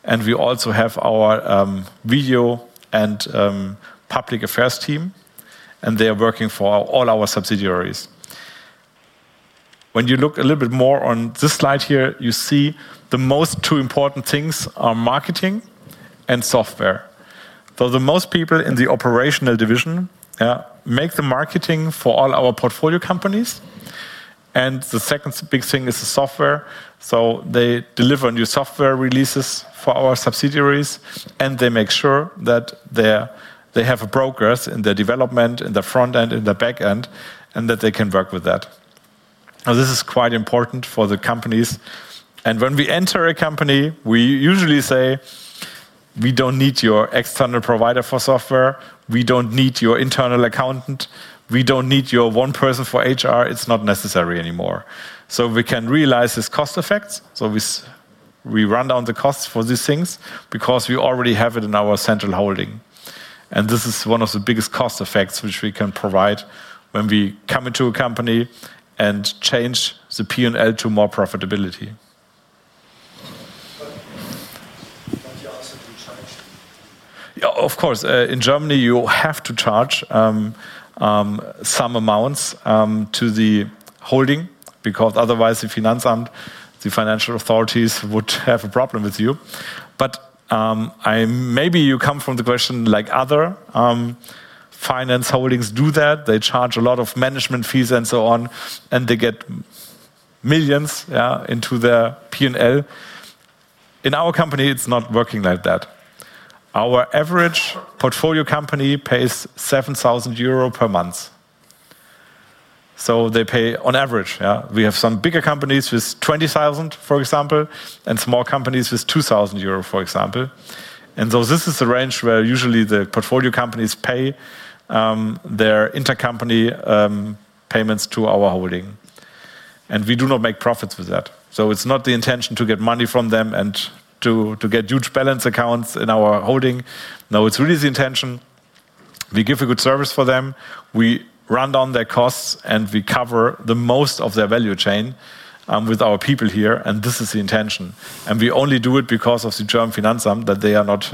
and we also have our video and public affairs team, and they are working for all our subsidiaries. When you look a little bit more on this slide here, you see the most two important things are marketing and software. The most people in the operational division make the marketing for all our portfolio companies, and the second big thing is the software. They deliver new software releases for our subsidiaries, and they make sure that they have brokers in their development, in the front end, in the back end, and that they can work with that. This is quite important for the companies, and when we enter a company, we usually say we don't need your external provider for software, we don't need your internal accountant, we don't need your one person for HR, it's not necessary anymore. We can realize this cost effect, so we run down the cost for these things because we already have it in our central holding, and this is one of the biggest cost effects which we can provide when we come into a company and change the P&L to more profitability. Of course, in Germany you have to charge some amounts to the holding because otherwise the finance and the financial authorities would have a problem with you, but maybe you come from the question like other finance holdings do that, they charge a lot of management fees and so on, and they get millions into their P&L. In our company, it's not working like that. Our average portfolio company pays 7,000 euro per month. They pay on average. We have some bigger companies with 20,000, for example, and small companies with 2,000 euro, for example. This is the range where usually the portfolio companies pay their intercompany payments to our holding, and we do not make profits with that. It's not the intention to get money from them and to get huge balance accounts in our holding. No, it's really the intention. We give a good service for them, we run down their costs, and we cover the most of their value chain with our people here, and this is the intention. We only do it because of the German finance arm that they are not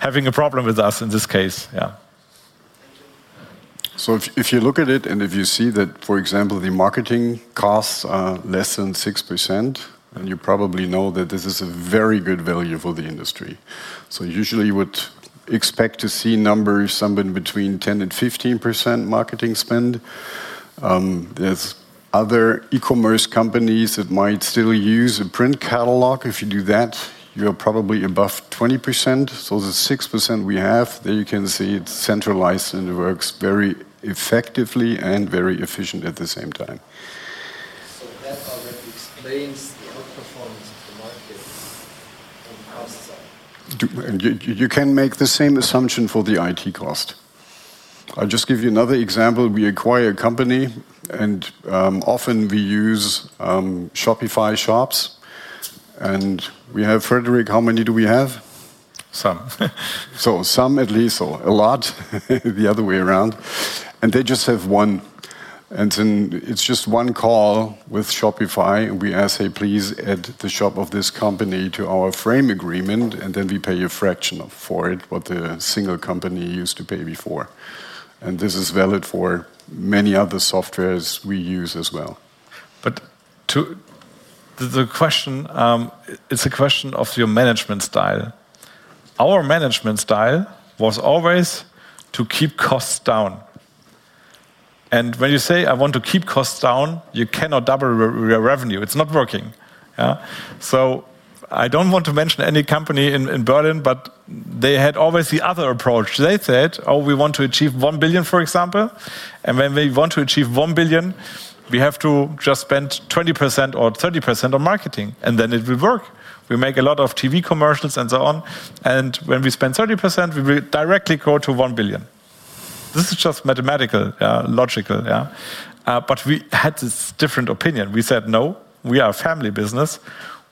having a problem with us in this case. If you look at it and if you see that, for example, the marketing costs are less than 6%, then you probably know that this is a very good value for the industry. Usually you would expect to see numbers somewhere between 10% and 15% marketing spend. There are other e-commerce companies that might still use a print catalog. If you do that, you're probably above 20%. The 6% we have, there you can see it's centralized and it works very effectively and very efficient at the same time. That already explains the outperformance of the markets. You can make the same assumption for the IT cost. I'll just give you another example. We acquire a company, and often we use Shopify shops, and we have Frederic, how many do we have? Some. A lot the other way around, and they just have one. It's just one call with Shopify, and we ask, "Hey, please add the shop of this company to our frame agreement," and then we pay a fraction for it, what the single company used to pay before. This is valid for many other softwares we use as well. The question is a question of your management style. Our management style was always to keep costs down. When you say, "I want to keep costs down," you cannot double your revenue. It's not working. I don't want to mention any company in Berlin, but they had always the other approach. They said, "Oh, we want to achieve 1 billion," for example. When we want to achieve 1 billion, we have to just spend 20% or 30% on marketing, and then it will work. We make a lot of TV commercials and so on, and when we spend 30%, we will directly go to 1 billion. This is just mathematical, logical. We had this different opinion. We said, "No, we are a family business.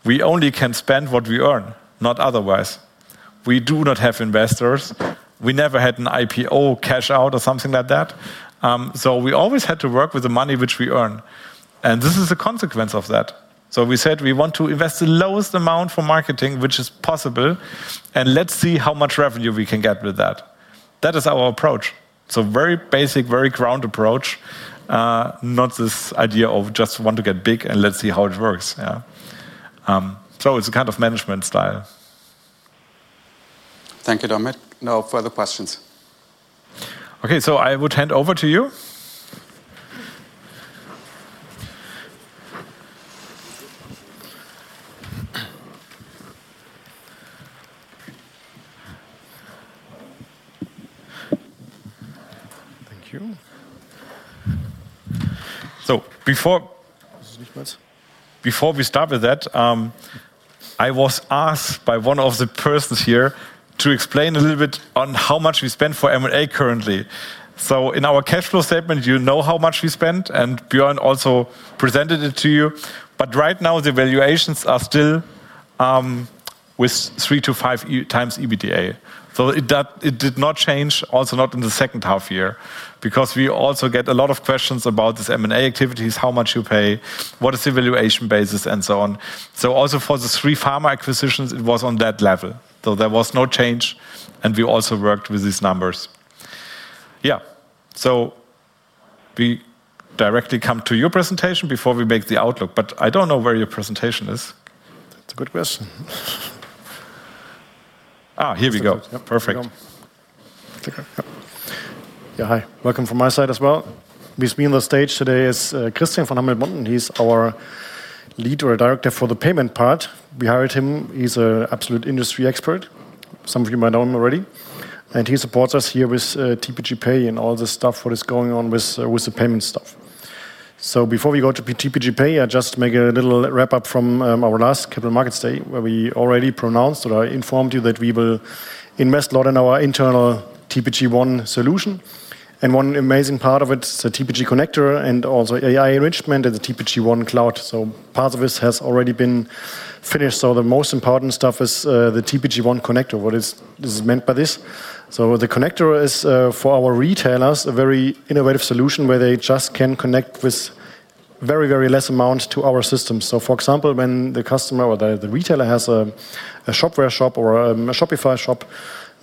We only can spend what we earn, not otherwise." We do not have investors. We never had an IPO cash out or something like that. We always had to work with the money which we earn, and this is a consequence of that. We said we want to invest the lowest amount for marketing, which is possible, and let's see how much revenue we can get with that. That is our approach. Very basic, very ground approach. Not this idea of just want to get big and let's see how it works. It's a kind of management style. Thank you, Dominik. No further questions. Okay, I would hand over to you. Thank you. Before we start with that, I was asked by one of the persons here to explain a little bit on how much we spend for M&A currently. In our cash flow statement, you know how much we spend, and Bjoern also presented it to you. Right now, the valuations are still with three to five times EBITDA. It did not change, also not in the second half year, because we also get a lot of questions about these M&A activities, how much you pay, what is the valuation basis, and so on. For the three pharma acquisitions, it was on that level. There was no change, and we also worked with these numbers. We directly come to your presentation before we make the outlook, but I don't know where your presentation is. That's a good question. Here we go. Perfect. Yeah, hi. Welcome from my side as well. With me on the stage today is Christian von Hammel-Bonten. He's our Lead Director for the payment part. We hired him. He's an absolute industry expert. Some of you might know him already. He supports us here with TPG Pay and all this stuff that is going on with the payment stuff. Before we go to TPG Pay, I just make a little wrap-up from our last capital markets day, where we already pronounced or I informed you that we will invest a lot in our internal TPG One solution. One amazing part of it is the TPG Connector and also AI enrichment in the TPG One Cloud. Part of this has already been finished. The most important stuff is the TPG One Connector. What is meant by this? The Connector is for our retailers, a very innovative solution where they just can connect with very, very less amounts to our system. For example, when the customer or the retailer has a Shopware shop or a Shopify shop,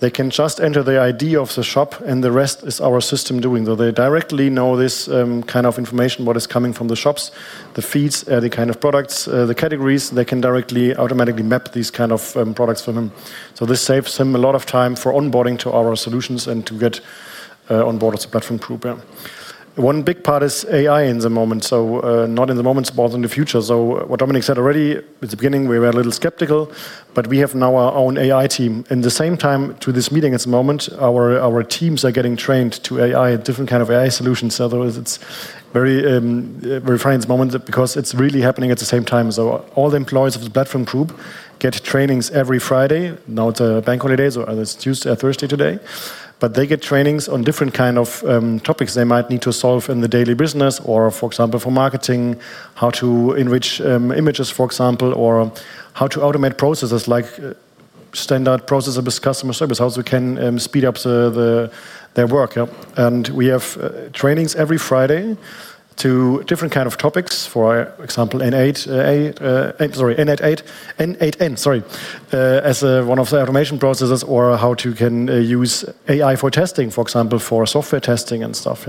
they can just enter the ID of the shop and the rest is our system doing. They directly know this kind of information, what is coming from the shops, the feeds, the kind of products, the categories, they can directly automatically map these kind of products for them. This saves them a lot of time for onboarding to our solutions and to get onboard of The Platform Group. One big part is AI in the moment. Not in the moment, it's both in the future. What Dominik said already at the beginning, we were a little skeptical, but we have now our own AI team. In the same time to this meeting at the moment, our teams are getting trained to AI, different kind of AI solutions. It's a very, very fine moment because it's really happening at the same time. All the employees of The Platform Group get trainings every Friday, not the bank holidays, or it's Tuesday or Thursday today, but they get trainings on different kind of topics they might need to solve in the daily business or, for example, for marketing, how to enrich images, for example, or how to automate processes like standard processes with customer service, how to speed up their work. We have trainings every Friday to different kind of topics, for example, N8N, sorry, as one of the automation processes or how to use AI for testing, for example, for software testing and stuff.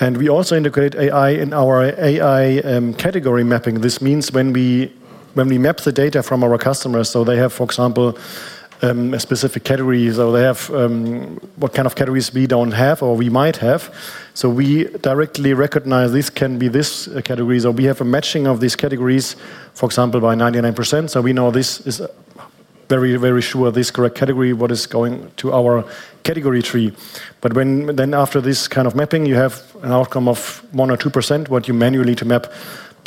We also integrate AI in our AI category mapping. This means when we map the data from our customers, they have, for example, a specific category, so they have what kind of categories we don't have or we might have. We directly recognize this can be this category. We have a matching of these categories, for example, by 99%. We know this is very, very sure this correct category, what is going to our category tree. After this kind of mapping, you have an outcome of 1% or 2% that you manually need to map.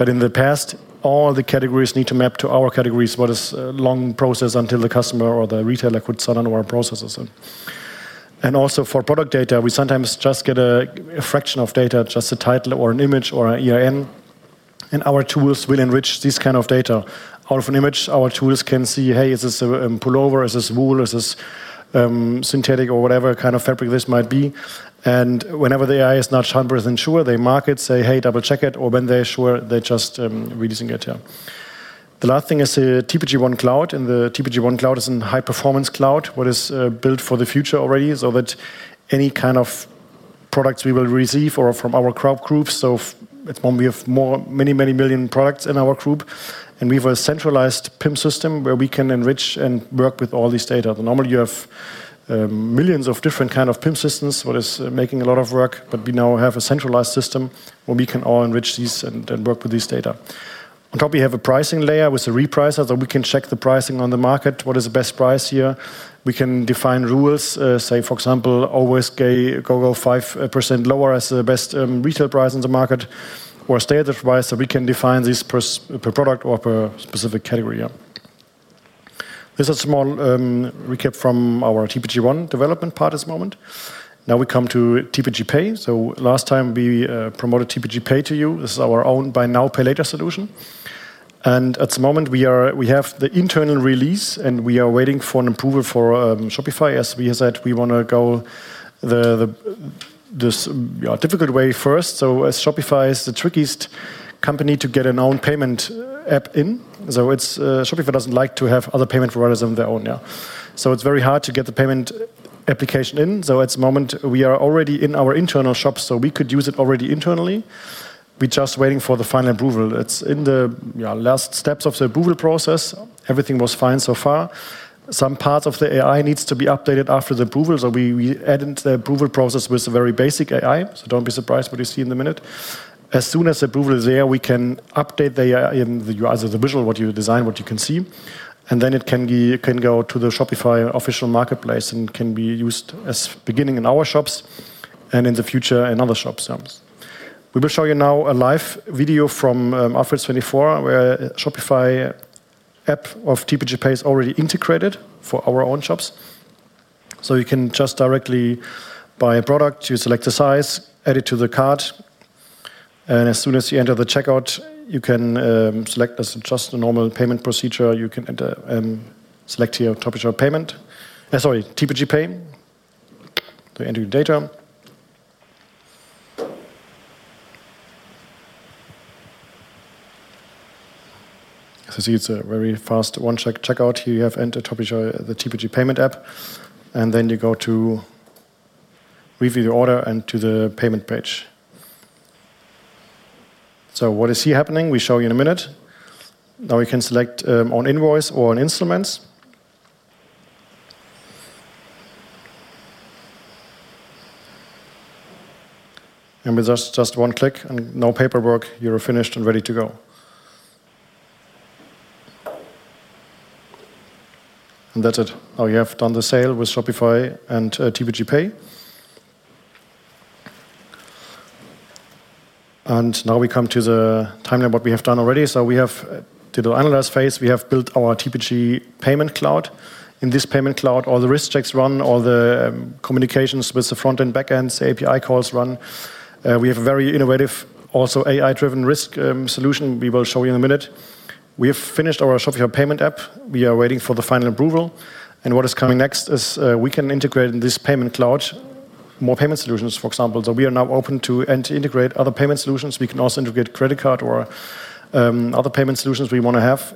In the past, all the categories needed to map to our categories, which is a long process until the customer or the retailer could sell on our processes. Also, for product data, we sometimes just get a fraction of data, just a title or an image or an EIN. Our tools will enrich this kind of data. Out of an image, our tools can see, hey, is this a pullover, is this wool, is this synthetic or whatever kind of fabric this might be. Whenever the AI is not 100% sure, they mark it, say, hey, double check it, or when they're sure, they're just releasing it. The last thing is the TPG One Cloud. The TPG One Cloud is a high-performance cloud, which is built for the future already, so that any kind of products we will receive or from our crowd groups. At the moment, we have many, many million products in our group, and we have a centralized PIM system where we can enrich and work with all this data. Normally, you have millions of different kinds of PIM systems, which is making a lot of work, but we now have a centralized system where we can all enrich these and work with this data. On top, we have a pricing layer with a repricer, so we can check the pricing on the market, what is the best price here. We can define rules, say, for example, always go 5% lower as the best retail price in the market or standard price, so we can define this per product or per specific category. This is a small recap from our TPG One development part at the moment. Now we come to TPG Pay. Last time we promoted TPG Pay to you. This is our own buy-now-pay-later solution. At the moment, we have the internal release and we are waiting for an approval for Shopify. As we said, we want to go the difficult way first. Shopify is the trickiest company to get an own payment app in. Shopify doesn't like to have other payment providers on their own. It's very hard to get the payment application in. At the moment, we are already in our internal shop, so we could use it already internally. We're just waiting for the final approval. It's in the last steps of the approval process. Everything was fine so far. Some parts of the AI need to be updated after the approval. We added the approval process with a very basic AI. Don't be surprised what you see in a minute. As soon as the approval is there, we can update the AI in the visual, what you design, what you can see. It can go to the Shopify official marketplace and can be used as beginning in our shops and in the future in other shops. We will show you now a live video from Office 24, where the Shopify app of TPG Pay is already integrated for our own shops. You can just directly buy a product, you select the size, add it to the cart, and as soon as you enter the checkout, you can select just a normal payment procedure. You can select here TPG Pay. You enter your data. As you see, it's a very fast one-check checkout. Here you have entered the TPG Pay app, and then you go to review the order and to the payment page. What is here happening? We show you in a minute. Now you can select on invoice or on instruments. With just one click and no paperwork, you're finished and ready to go. That's it. Now you have done the sale with Shopify and TPG Pay. Now we come to the timeline of what we have done already. We have the analyze phase. We have built our TPG Payment Cloud. In this Payment Cloud, all the risk checks run, all the communications with the front-end, back-end, the API calls run. We have a very innovative, also AI-driven risk solution we will show you in a minute. We have finished our Shopify Payment app. We are waiting for the final approval. What is coming next is we can integrate in this Payment Cloud more payment solutions, for example. We are now open to integrate other payment solutions. We can also integrate credit card or other payment solutions we want to have.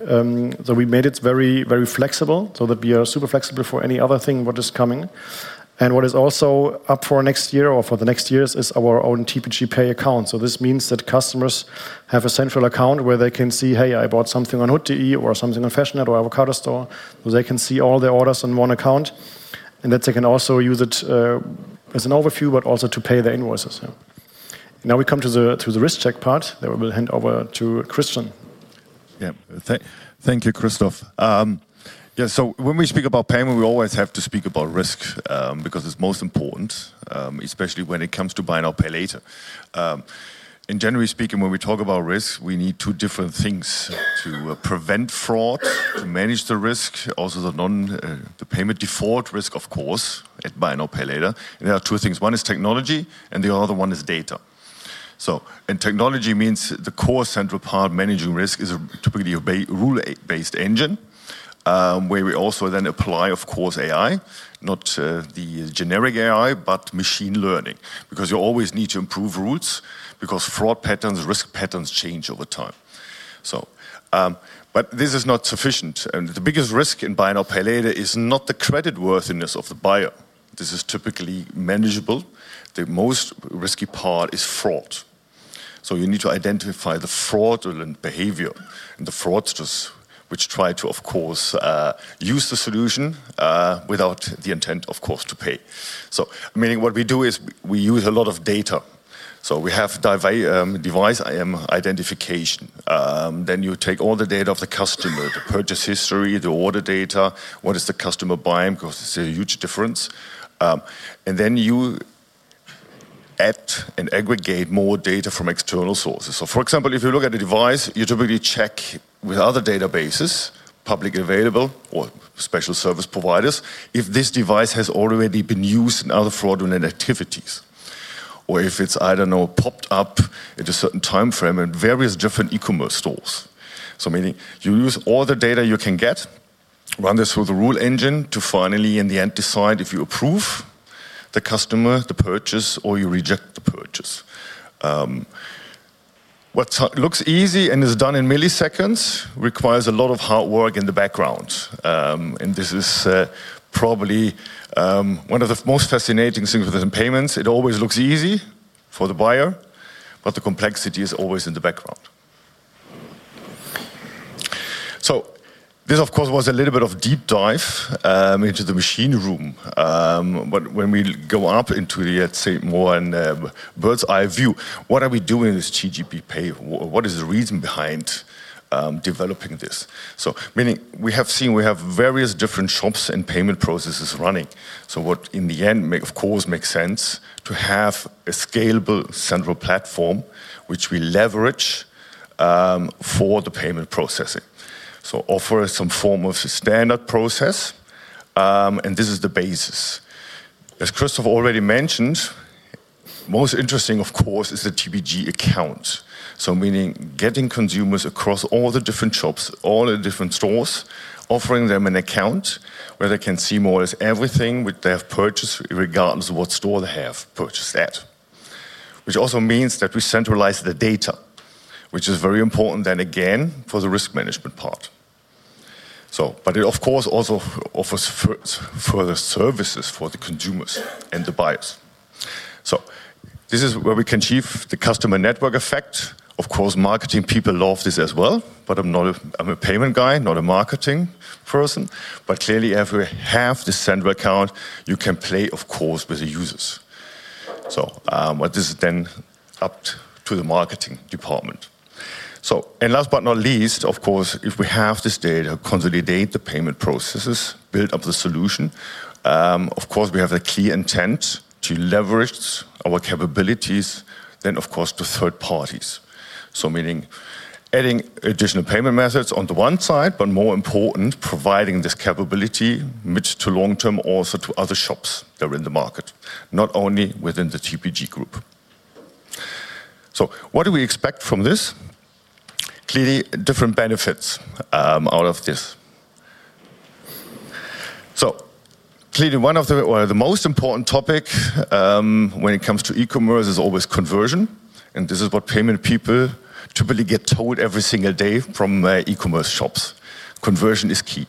We made it very, very flexible so that we are super flexible for any other thing that is coming. What is also up for next year or for the next years is our own TPG Pay account. This means that customers have a central account where they can see, hey, I bought something on Hood.de or something on fashionette or Avocadostore. They can see all their orders in one account. They can also use it as an overview, but also to pay their invoices. Now we come to the risk check part that we will hand over to Christian. Yeah, thank you, Christoph. Yeah, so when we speak about payment, we always have to speak about risk because it's most important, especially when it comes to buy-now-pay-later. Generally speaking, when we talk about risk, we need two different things to prevent fraud, to manage the risk, also the payment default risk, of course, and buy-now-pay-later. There are two things. One is technology and the other one is data. Technology means the core central part managing risk is typically a rule-based engine where we also then apply, of course, AI, not the generic AI, but machine learning because you always need to improve rules because fraud patterns, risk patterns change over time. This is not sufficient. The biggest risk in buy-now-pay-later is not the credit worthiness of the buyer. This is typically manageable. The most risky part is fraud. You need to identify the fraudulent behavior and the fraudsters which try to, of course, use the solution without the intent, of course, to pay. Meaning what we do is we use a lot of data. We have device identification. Then you take all the data of the customer, the purchase history, the order data, what is the customer buying because it's a huge difference. Then you add and aggregate more data from external sources. For example, if you look at a device, you typically check with other databases, publicly available or special service providers, if this device has already been used in other fraudulent activities or if it's, I don't know, popped up at a certain timeframe in various different e-commerce stores. Meaning you use all the data you can get, run this through the rule engine to finally, in the end, decide if you approve the customer, the purchase, or you reject the purchase. What looks easy and is done in milliseconds requires a lot of hard work in the background. This is probably one of the most fascinating things within payments. It always looks easy for the buyer, but the complexity is always in the background. This, of course, was a little bit of a deep dive into the machine room. When we go up into the, let's say, more bird's eye view, what are we doing in this TPG Pay? What is the reason behind developing this? Meaning we have seen we have various different shops and payment processes running. What in the end, of course, makes sense is to have a scalable central platform which we leverage for the payment processing. Offer some form of standard process, and this is the basis. As Christoph already mentioned, most interesting, of course, is the TPG account, meaning getting consumers across all the different shops, all the different stores, offering them an account where they can see more or less everything which they have purchased regardless of what store they have purchased at. This also means that we centralize the data, which is very important then again for the risk management part. It, of course, also offers further services for the consumers and the buyers. This is where we can achieve the customer network effect. Of course, marketing people love this as well, but I'm a payment guy, not a marketing person. Clearly, if we have the central account, you can play, of course, with the users. This is then up to the marketing department. Last but not least, of course, if we have this data, consolidate the payment processes, build up the solution. We have the key intent to leverage our capabilities, then, of course, to third parties, meaning adding additional payment methods on the one side, but more important, providing this capability mid to long term also to other shops that are in the market, not only within the TPG Group. What do we expect from this? Clearly, different benefits out of this. One of the most important topics when it comes to e-commerce is always conversion, and this is what payment people typically get told every single day from e-commerce shops. Conversion is key.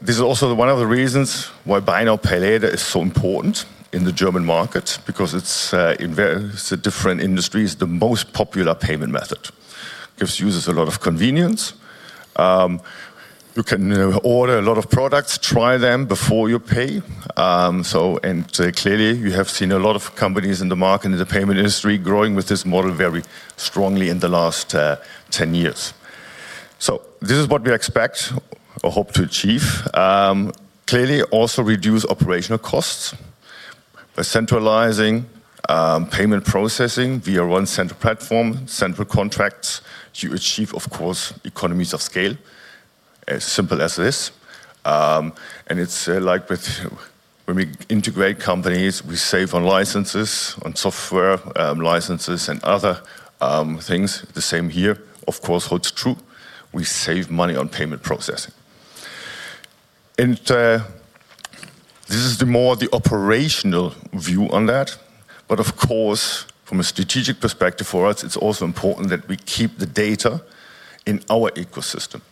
This is also one of the reasons why buy-now-pay-later is so important in the German market because it's in very different industries the most popular payment method. It gives users a lot of convenience. You can order a lot of products, try them before you pay. Clearly, you have seen a lot of companies in the market in the payment industry growing with this model very strongly in the last 10 years. This is what we expect or hope to achieve. Clearly, also reduce operational costs by centralizing payment processing via one central platform, central contracts to achieve, of course, economies of scale, as simple as this. It's like when we integrate companies, we save on licenses, on software licenses, and other things. The same here, of course, holds true. We save money on payment processing. This is more the operational view on that. Of course, from a strategic perspective for us, it's also important that we keep the data in our ecosystem.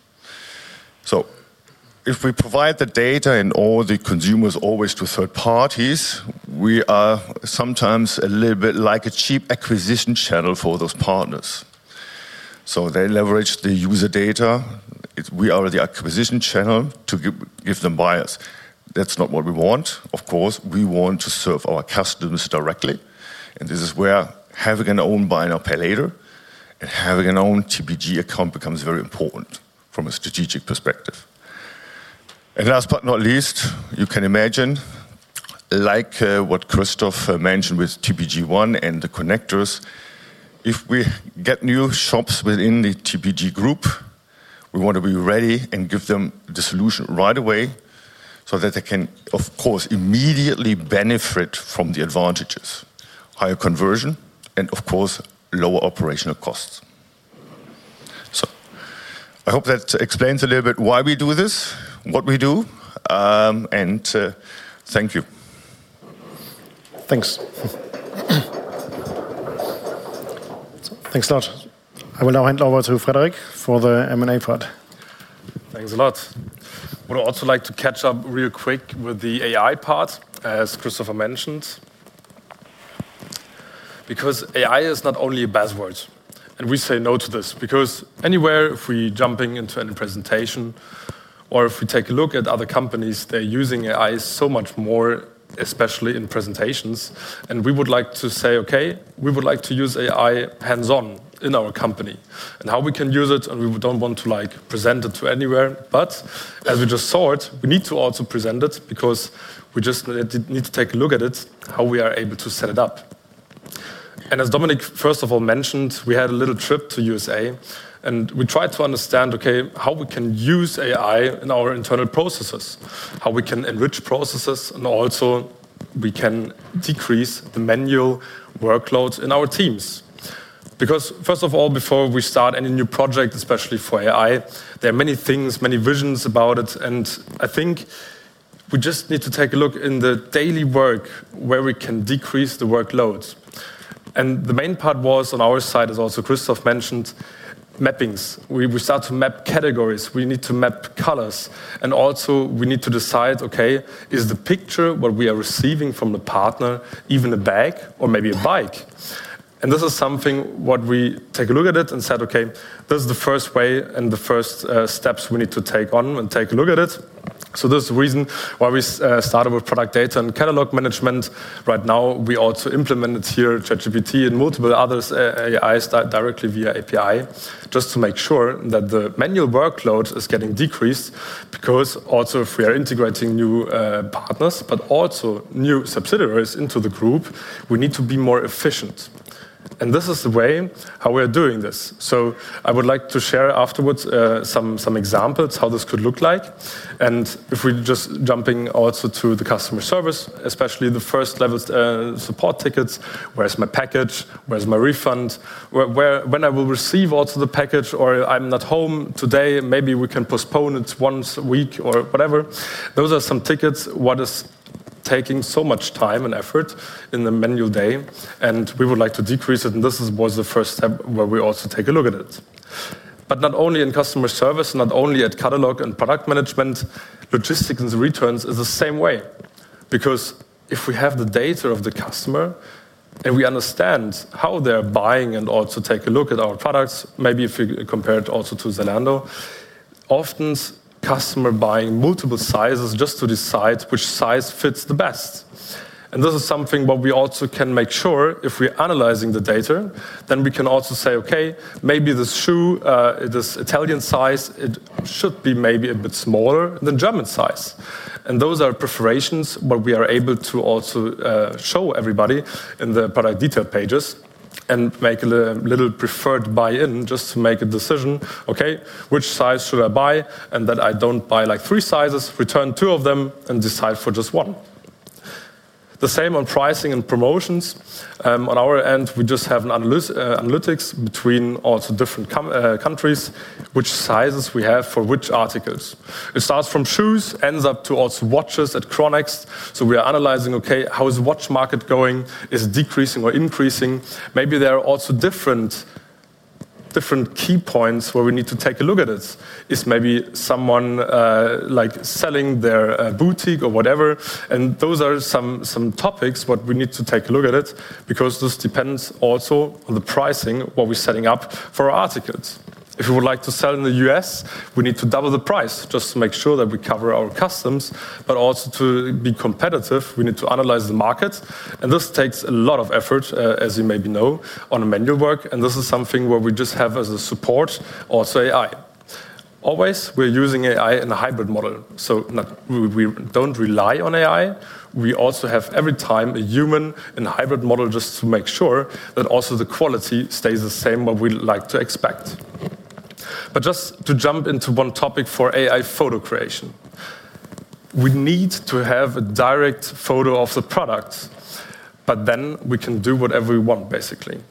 If we provide the data and all the consumers always to third parties, we are sometimes a little bit like a cheap acquisition channel for those partners. They leverage the user data. We are the acquisition channel to give them buyers. That's not what we want. We want to serve our customers directly. This is where having an own buy-now-pay-later and having an own TPG account becomes very important from a strategic perspective. Last but not least, you can imagine, like what Christoph mentioned with TPG One and the connectors, if we get new shops within the TPG Group, we want to be ready and give them the solution right away so that they can immediately benefit from the advantages, higher conversion, and lower operational costs. I hope that explains a little bit why we do this, what we do, and thank you. Thanks. Thanks a lot. I will now hand over to Frederic for the M&A part. Thanks a lot. I would also like to catch up real quick with the AI part, as Christoph mentioned, because AI is not only a buzzword. We say no to this because anywhere, if we jump into any presentation or if we take a look at other companies, they're using AI so much more, especially in presentations. We would like to say, okay, we would like to use AI hands-on in our company and how we can use it. We don't want to present it to anywhere. As we just saw it, we need to also present it because we just need to take a look at it, how we are able to set it up. As Dominik, first of all, mentioned, we had a little trip to the United States and we tried to understand, okay, how we can use AI in our internal processes, how we can enrich processes, and also we can decrease the manual workload in our teams. First of all, before we start any new project, especially for AI, there are many things, many visions about it. I think we just need to take a look in the daily work where we can decrease the workload. The main part was on our side, as also Christoph mentioned, mappings. We start to map categories. We need to map colors. We need to decide, okay, is the picture what we are receiving from the partner, even a bag or maybe a bike? This is something what we take a look at it and said, okay, this is the first way and the first steps we need to take on and take a look at it. This is the reason why we started with product data and catalog management. Right now, we also implemented here ChatGPT and multiple other AIs directly via API just to make sure that the manual workload is getting decreased because also if we are integrating new partners, but also new subsidiaries into the group, we need to be more efficient. This is the way how we are doing this. I would like to share afterwards some examples how this could look like. If we just jump in also to the customer service, especially the first level support tickets, where's my package, where's my refund, when I will receive also the package, or I'm not home today, maybe we can postpone it once a week or whatever. Those are some tickets what is taking so much time and effort in the menu day. We would like to decrease it. This was the first step where we also take a look at it. Not only in customer service, not only at catalog and product management, logistics and returns is the same way. Because if we have the data of the customer and we understand how they're buying and also take a look at our products, maybe if you compare it also to Zalando, often customers are buying multiple sizes just to decide which size fits the best. This is something where we also can make sure if we're analyzing the data, then we can also say, okay, maybe this shoe, this Italian size, it should be maybe a bit smaller than German size. Those are preferences where we are able to also show everybody in the product detail pages and make a little preferred buy-in just to make a decision, okay, which size should I buy? That way I don't buy like three sizes, return two of them, and decide for just one. The same on pricing and promotions. On our end, we just have analytics between all the different countries, which sizes we have for which articles. It starts from shoes, ends up to also watches at CHRONEXT. We are analyzing, okay, how is the watch market going? Is it decreasing or increasing? Maybe there are also different key points where we need to take a look at it. Is maybe someone like selling their boutique or whatever? Those are some topics where we need to take a look at it because this depends also on the pricing where we're setting up for our articles. If we would like to sell in the U.S., we need to double the price just to make sure that we cover our customs, but also to be competitive, we need to analyze the market. This takes a lot of effort, as you maybe know, on manual work. This is something where we just have as a support also AI. Always, we're using AI in a hybrid model. We don't rely on AI. We also have every time a human in a hybrid model just to make sure that also the quality stays the same where we like to expect. Just to jump into one topic for AI photo creation, we need to have a direct photo of the product, but then we can do whatever we want, basically.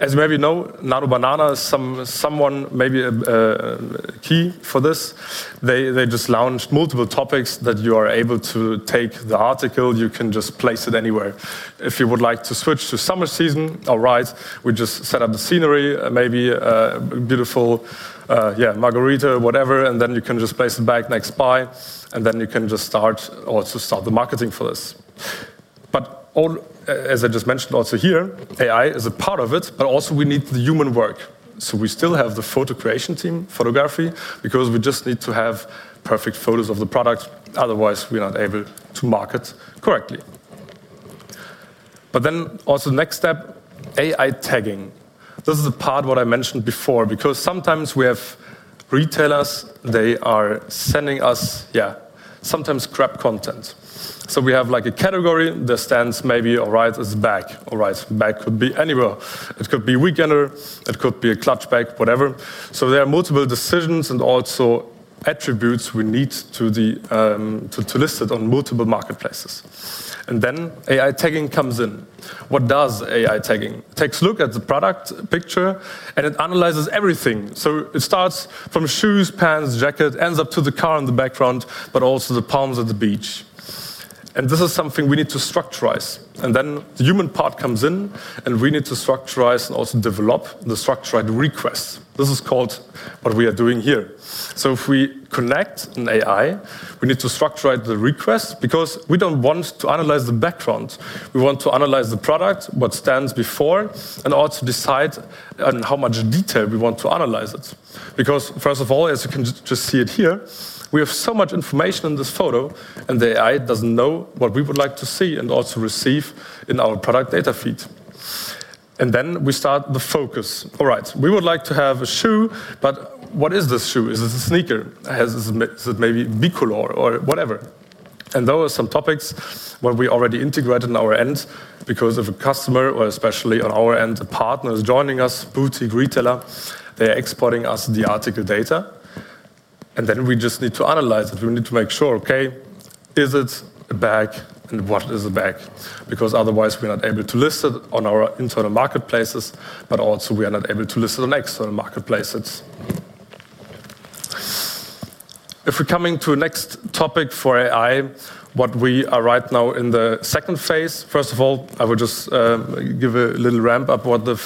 As you maybe know, Nano Banana is someone, maybe a key for this. They just launched multiple topics that you are able to take the article. You can just place it anywhere. If you would like to switch to summer season, all right, we just set up the scenery, maybe a beautiful margarita or whatever, and then you can just place it back next by, and then you can just start the marketing for this. All, as I just mentioned, also here, AI is a part of it, but also we need the human work. We still have the photo creation team, photography, because we just need to have perfect photos of the product. Otherwise, we're not able to market correctly. The next step is AI tagging. This is the part I mentioned before because sometimes we have retailers sending us, yeah, sometimes crap content. We have a category that stands maybe, all right, as a bag. All right, a bag could be anywhere. It could be a weekender, it could be a clutch bag, whatever. There are multiple decisions and also attributes we need to list it on multiple marketplaces. Then AI tagging comes in. What does AI tagging do? It takes a look at the product picture and analyzes everything. It starts from shoes, pants, jacket, ends up to the car in the background, but also the palms at the beach. This is something we need to structurize. The human part comes in and we need to structurize and also develop the structured request. This is called what we are doing here. If we connect an AI, we need to structure the request because we don't want to analyze the background. We want to analyze the product that stands before and also decide on how much detail we want to analyze it. First of all, as you can just see it here, we have so much information in this photo and the AI doesn't know what we would like to see and also receive in our product data feed. Then we start the focus. All right, we would like to have a shoe, but what is this shoe? Is this a sneaker? Is it maybe bicolor or whatever? Those are some topics where we already integrate on our end because if a customer, or especially on our end, a partner is joining us, boutique retailer, they're exporting us the article data. We just need to analyze it. We need to make sure, okay, is it a bag and what is a bag? Otherwise, we're not able to list it on our internal marketplaces, but also we are not able to list it on external marketplaces. If we're coming to the next topic for AI, what we are right now in the second phase, first of all, I will just give a little ramp up what the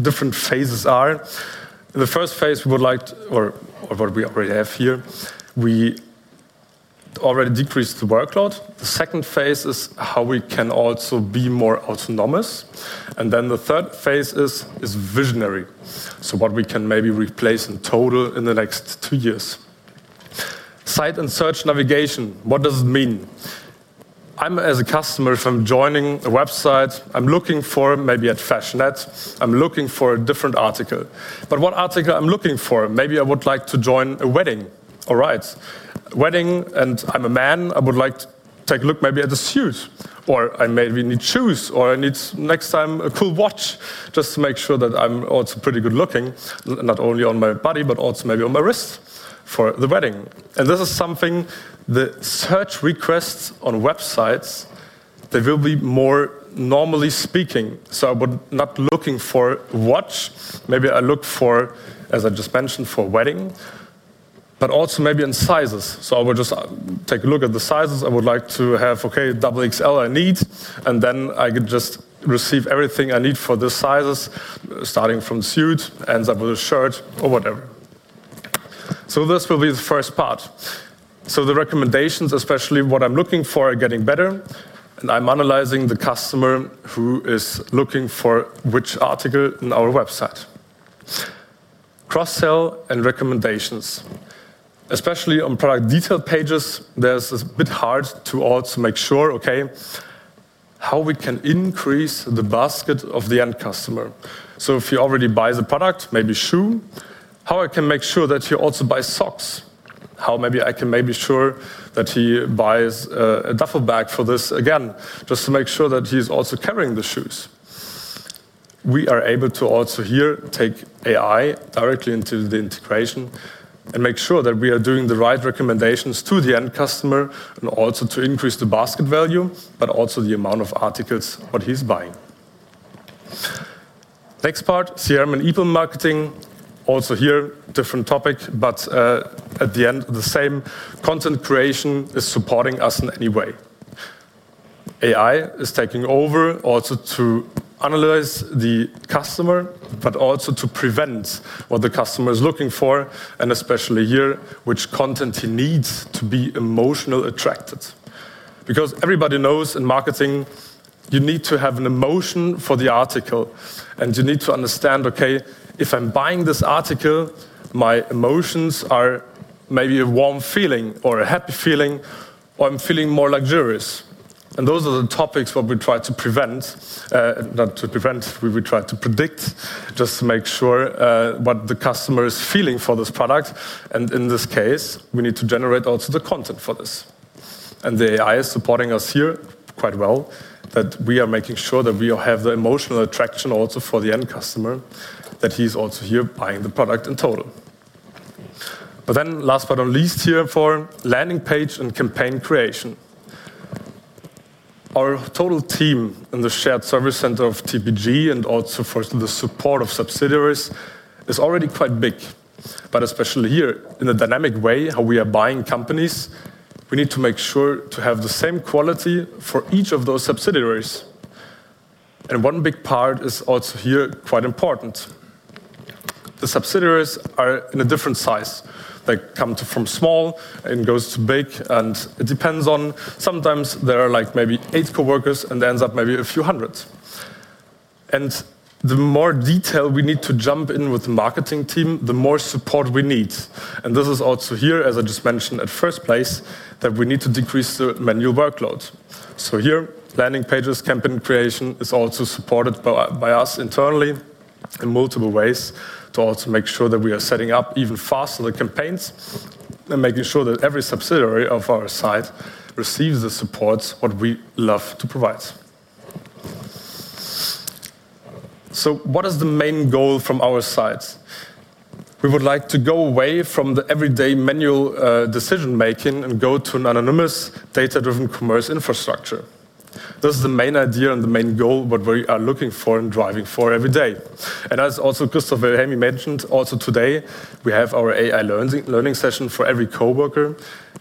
different phases are. In the first phase, we would like, or what we already have here, we already decreased the workload. The second phase is how we can also be more autonomous. The third phase is visionary, so what we can maybe replace in total in the next two years. Site and search navigation. What does it mean? I'm as a customer, if I'm joining a website, I'm looking for maybe at fashionette, I'm looking for a different article. What article I'm looking for? Maybe I would like to join a wedding. All right, wedding, and I'm a man, I would like to take a look maybe at the suit or I maybe need shoes or I need next time a cool watch just to make sure that I'm also pretty good looking, not only on my body but also maybe on my wrist for the wedding. This is something the search requests on websites, they will be more normally speaking. I would not look for watch, maybe I look for, as I just mentioned, for wedding, but also maybe in sizes. I would just take a look at the sizes. I would like to have, okay, XXL I need, and then I could just receive everything I need for the sizes, starting from suit, ends up with a shirt or whatever. This will be the first part. The recommendations, especially what I'm looking for, are getting better, and I'm analyzing the customer who is looking for which article on our website. Cross-sell and recommendations, especially on product detail pages, there's a bit hard to also make sure, okay, how we can increase the basket of the end customer. If you already buy the product, maybe shoe, how I can make sure that he also buys socks, how maybe I can make sure that he buys a duffel bag for this again, just to make sure that he's also carrying the shoes. We are able to also here take AI directly into the integration and make sure that we are doing the right recommendations to the end customer and also to increase the basket value, but also the amount of articles what he's buying. Next part, CRM and e-mail marketing. Also here, different topic, but at the end, the same content creation is supporting us in any way. AI is taking over also to analyze the customer, but also to prevent what the customer is looking for, and especially here, which content he needs to be emotionally attracted. Because everybody knows in marketing, you need to have an emotion for the article, and you need to understand, okay, if I'm buying this article, my emotions are maybe a warm feeling or a happy feeling, or I'm feeling more luxurious. Those are the topics where we try to prevent, not to prevent, we try to predict, just to make sure what the customer is feeling for this product. In this case, we need to generate also the content for this. The AI is supporting us here quite well, making sure that we have the emotional attraction also for the end customer, that he's also here buying the product in total. Last but not least, for landing page and campaign creation, our total team in the shared service center of TPG and also for the support of subsidiaries is already quite big. Especially in the dynamic way we are buying companies, we need to make sure to have the same quality for each of those subsidiaries. One big part is also quite important. The subsidiaries are in a different size. They come from small and go to big, and it depends on sometimes there are maybe eight coworkers and they end up maybe a few hundred. The more detail we need to jump in with the marketing team, the more support we need. This is also, as I just mentioned at first place, that we need to decrease the manual workload. Landing pages and campaign creation are also supported by us internally in multiple ways to make sure that we are setting up even faster the campaigns and making sure that every subsidiary of our site receives the support we love to provide. What is the main goal from our sides? We would like to go away from the everyday manual decision-making and go to an anonymous data-driven commerce infrastructure. This is the main idea and the main goal we are looking for and driving for every day. As also Christoph Wilhelmi mentioned, today we have our AI learning session for every coworker.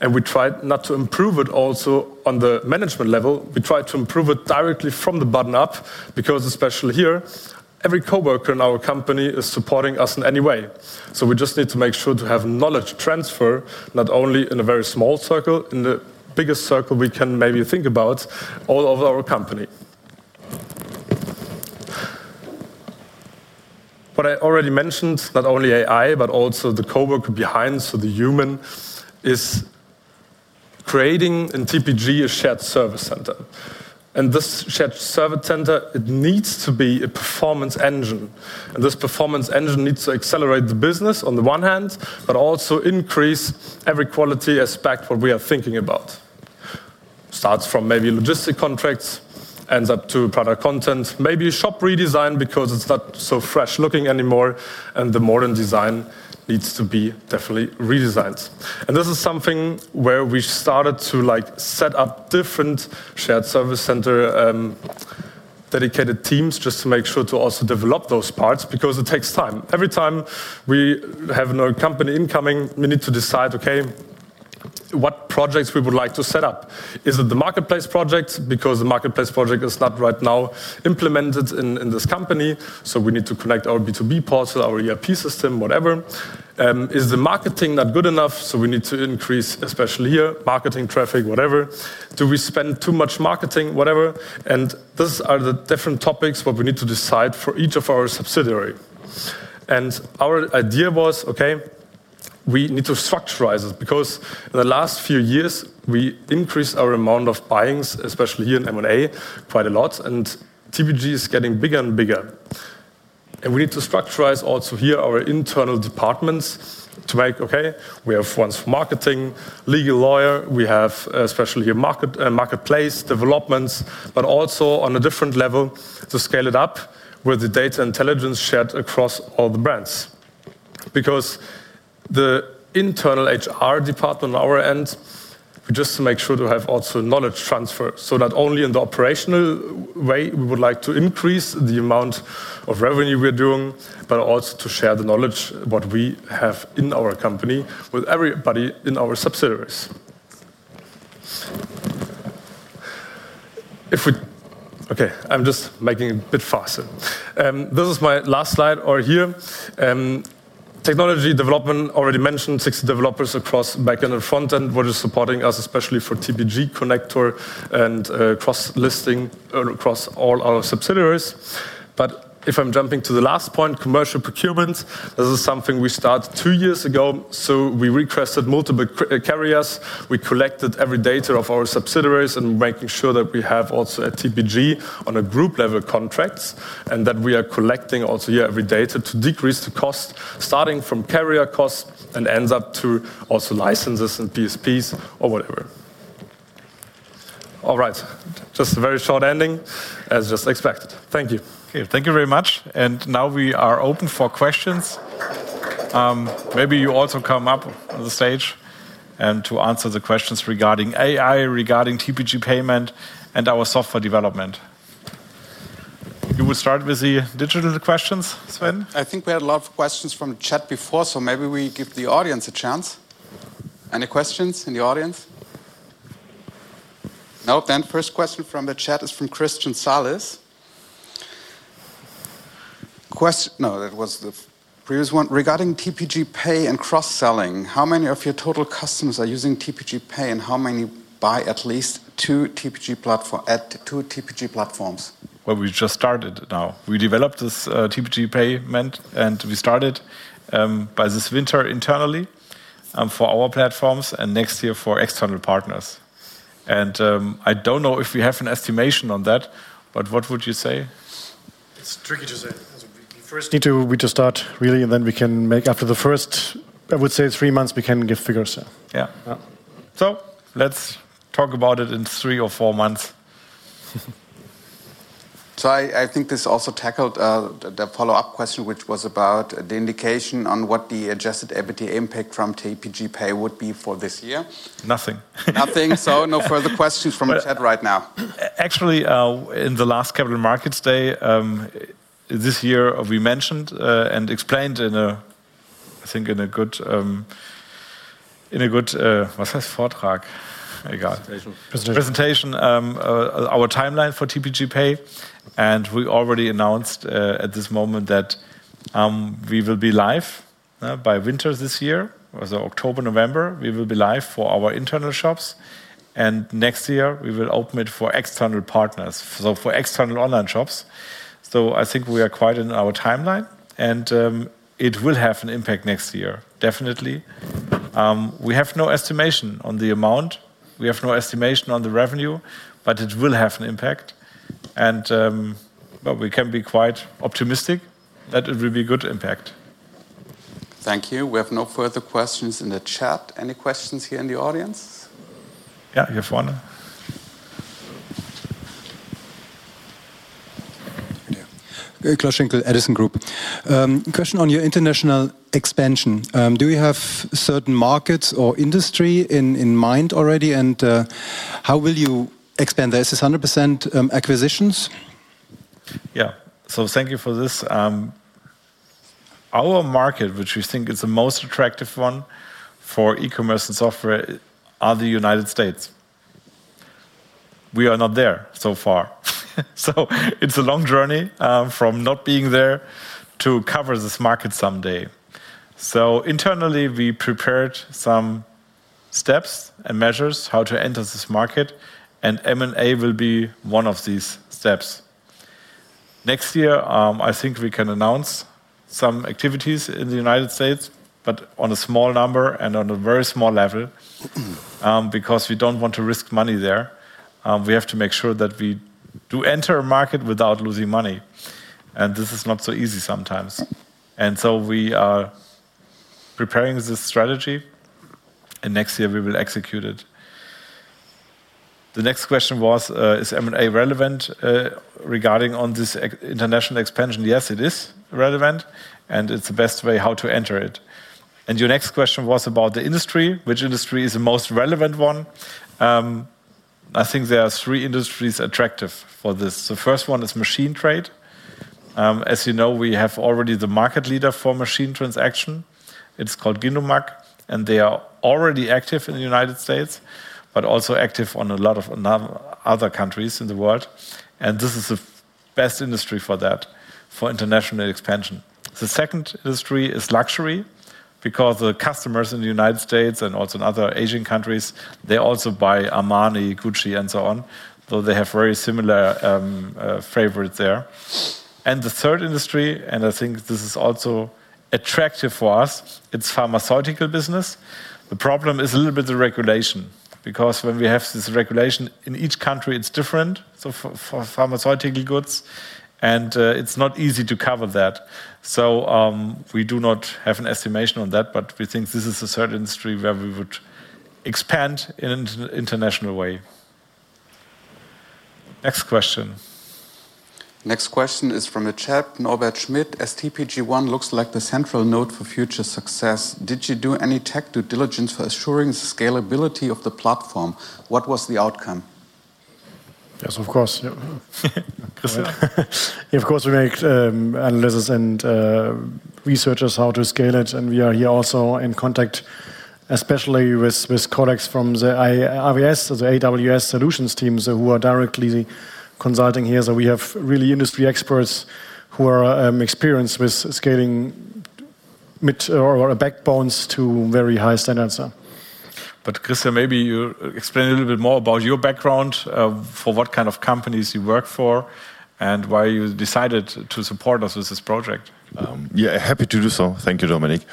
We try not to improve it also on the management level. We try to improve it directly from the bottom up because, especially here, every coworker in our company is supporting us in any way. We just need to make sure to have knowledge transfer not only in a very small circle, but in the biggest circle we can maybe think about all over our company. What I already mentioned, not only AI but also the coworker behind, so the human, is creating in TPG a shared service center. This shared service center needs to be a performance engine. This performance engine needs to accelerate the business on the one hand, but also increase every quality aspect we are thinking about. It starts from maybe logistic contracts, ends up to product content, maybe a shop redesign because it's not so fresh looking anymore, and the modern design needs to be definitely redesigned. This is something where we started to set up different shared service center dedicated teams just to make sure to also develop those parts because it takes time. Every time we have a new company incoming, we need to decide, okay, what projects we would like to set up. Is it the marketplace project? The marketplace project is not right now implemented in this company, so we need to connect our B2B portal, our ERP system, whatever. Is the marketing not good enough? We need to increase, especially here, marketing traffic, whatever. Do we spend too much on marketing, whatever? These are the different topics we need to decide for each of our subsidiaries. Our idea was, okay, we need to structurize it because in the last few years, we increased our amount of buyings, especially here in M&A, quite a lot, and TPG is getting bigger and bigger. We need to structurize also here our internal departments to make, okay, we have ones for marketing, legal lawyer, we have especially a marketplace developments, but also on a different level to scale it up with the data intelligence shared across all the brands. The internal HR department on our end, just to make sure to have also knowledge transfer, so not only in the operational way we would like to increase the amount of revenue we're doing, but also to share the knowledge we have in our company with everybody in our subsidiaries. This is my last slide over here. Technology development, already mentioned, 60 developers across backend and frontend, which is supporting us, especially for TPG One Cloud, Connector, and cross-listing across all our subsidiaries. If I'm jumping to the last point, commercial procurement, this is something we started two years ago. We requested multiple carriers, we collected every data of our subsidiaries and making sure that we have also here at The Platform Group AG on a group level contracts and that we are collecting also here every data to decrease the cost, starting from carrier costs and ends up to also licenses and PSPs or whatever. All right, just a very short ending, as just expected. Thank you. Thank you very much. Now we are open for questions. Maybe you also come up on the stage and answer the questions regarding AI, regarding TPG Pay, and our software development. You will start with the digital questions, Sven. I think we had a lot of questions from the chat before, so maybe we give the audience a chance. Any questions in the audience? Nope, the first question from the chat is from Christian Sales. Question, no, that was the previous one, regarding TPG Pay and cross-selling. How many of your total customers are using TPG Pay and how many buy at least two TPG platforms? We just started now. We developed this TPG Pay and we started by this winter internally for our platforms, and next year for external partners. I don't know if we have an estimation on that, but what would you say? It's tricky to say. First, we need to start really, and then we can make, after the first, I would say, three months, we can give figures. Let's talk about it in three or four months. I think this also tackled the follow-up question, which was about the indication on what the adjusted EBITDA impact from TPG Pay would be for this year. Nothing. Nothing, so no further questions from the chat right now. Actually, in the last Capital Markets Day this year, we mentioned and explained in a, I think, in a good, what's this? Vortrag. Presentation. Presentation, our timeline for TPG Pay, and we already announced at this moment that we will be live by winter this year, so October, November, we will be live for our internal shops. Next year, we will open it for external partners, for external online shops. I think we are quite in our timeline and it will have an impact next year, definitely. We have no estimation on the amount, we have no estimation on the revenue, but it will have an impact. We can be quite optimistic that it will be a good impact. Thank you. We have no further questions in the chat. Any questions here in the audience? Yeah, you're fine. Klaus Schinkel, Edison Group. Question on your international expansion. Do we have certain markets or industry in mind already, and how will you expand this? Is this 100% acquisitions? Thank you for this. Our market, which we think is the most attractive one for e-commerce and software, is the United States. We are not there so far. It's a long journey from not being there to cover this market someday. Internally, we prepared some steps and measures how to enter this market and M&A will be one of these steps. Next year, I think we can announce some activities in the United States, but on a small number and on a very small level because we don't want to risk money there. We have to make sure that we do enter a market without losing money. This is not so easy sometimes. We are preparing this strategy and next year we will execute it. The next question was, is M&A relevant regarding this international expansion? Yes, it is relevant and it's the best way how to enter it. Your next question was about the industry. Which industry is the most relevant one? I think there are three industries attractive for this. The first one is machine trade. As you know, we have already the market leader for machine transaction. It's called Gindumac and they are already active in the United States, but also active in a lot of other countries in the world. This is the best industry for that, for international expansion. The second industry is luxury because the customers in the United States and also in other Asian countries, they also buy Armani, Gucci, and so on, though they have very similar favorites there. The third industry, and I think this is also attractive for us, is pharmaceutical business. The problem is a little bit of regulation because when we have this regulation in each country, it's different for pharmaceutical goods and it's not easy to cover that. We do not have an estimation on that, but we think this is a certain industry where we would expand in an international way. Next question. Next question is from a chat, [Norbert Schmidt]. TPG One Cloud looks like the central node for future success. Did you do any tech due diligence for assuring the scalability of the platform? What was the outcome? Yes, of course. We make analysis and researches how to scale it, and we are here also in contact, especially with colleagues from the AWS Solutions teams who are directly consulting here. We have really industry experts who are experienced with scaling backbones to very high standards. Christian, maybe you explain a little bit more about your background, for what kind of companies you work for and why you decided to support us with this project. Yeah, happy to do so. Thank you, Dominik.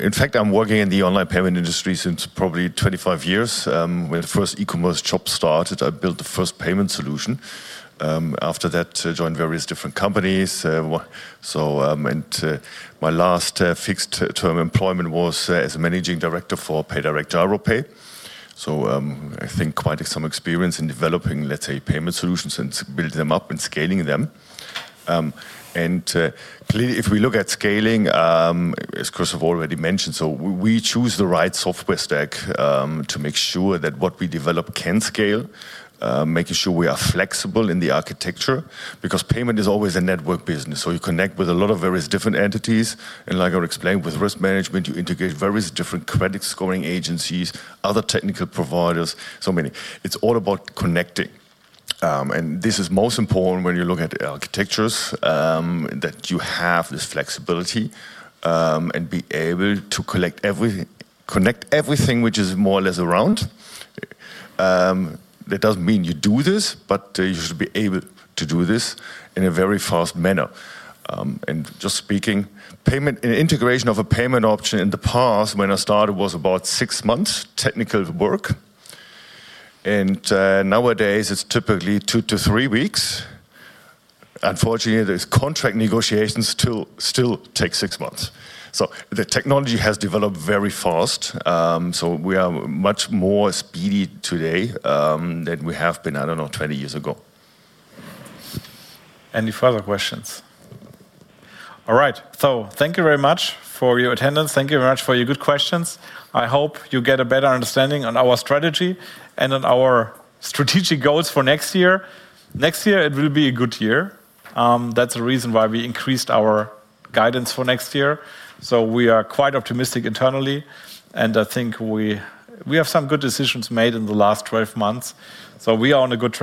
In fact, I'm working in the online payment industry since probably 25 years. When the first e-commerce shop started, I built the first payment solution. After that, I joined various different companies. My last fixed-term employment was as a Managing Director for PayDirect, AeroPay. I think quite some experience in developing, let's say, payment solutions and building them up and scaling them. Clearly, if we look at scaling, as Christoph already mentioned, we choose the right software stack to make sure that what we develop can scale, making sure we are flexible in the architecture because payment is always a network business. You connect with a lot of various different entities and like I explained with risk management, you integrate various different credit scoring agencies, other technical providers, so many. It's all about connecting. This is most important when you look at architectures that you have this flexibility and be able to collect everything, connect everything which is more or less around. That doesn't mean you do this, but you should be able to do this in a very fast manner. Just speaking, payment and integration of a payment option in the past when I started was about six months technical work. Nowadays, it's typically two to three weeks. Unfortunately, contract negotiations still take six months. The technology has developed very fast. We are much more speedy today than we have been, I don't know, 20 years ago. Any further questions? All right, thank you very much for your attendance. Thank you very much for your good questions. I hope you get a better understanding on our strategy and on our strategic goals for next year. Next year, it will be a good year. That's the reason why we increased our guidance for next year. We are quite optimistic internally. I think we have some good decisions made in the last 12 months. We are on a good.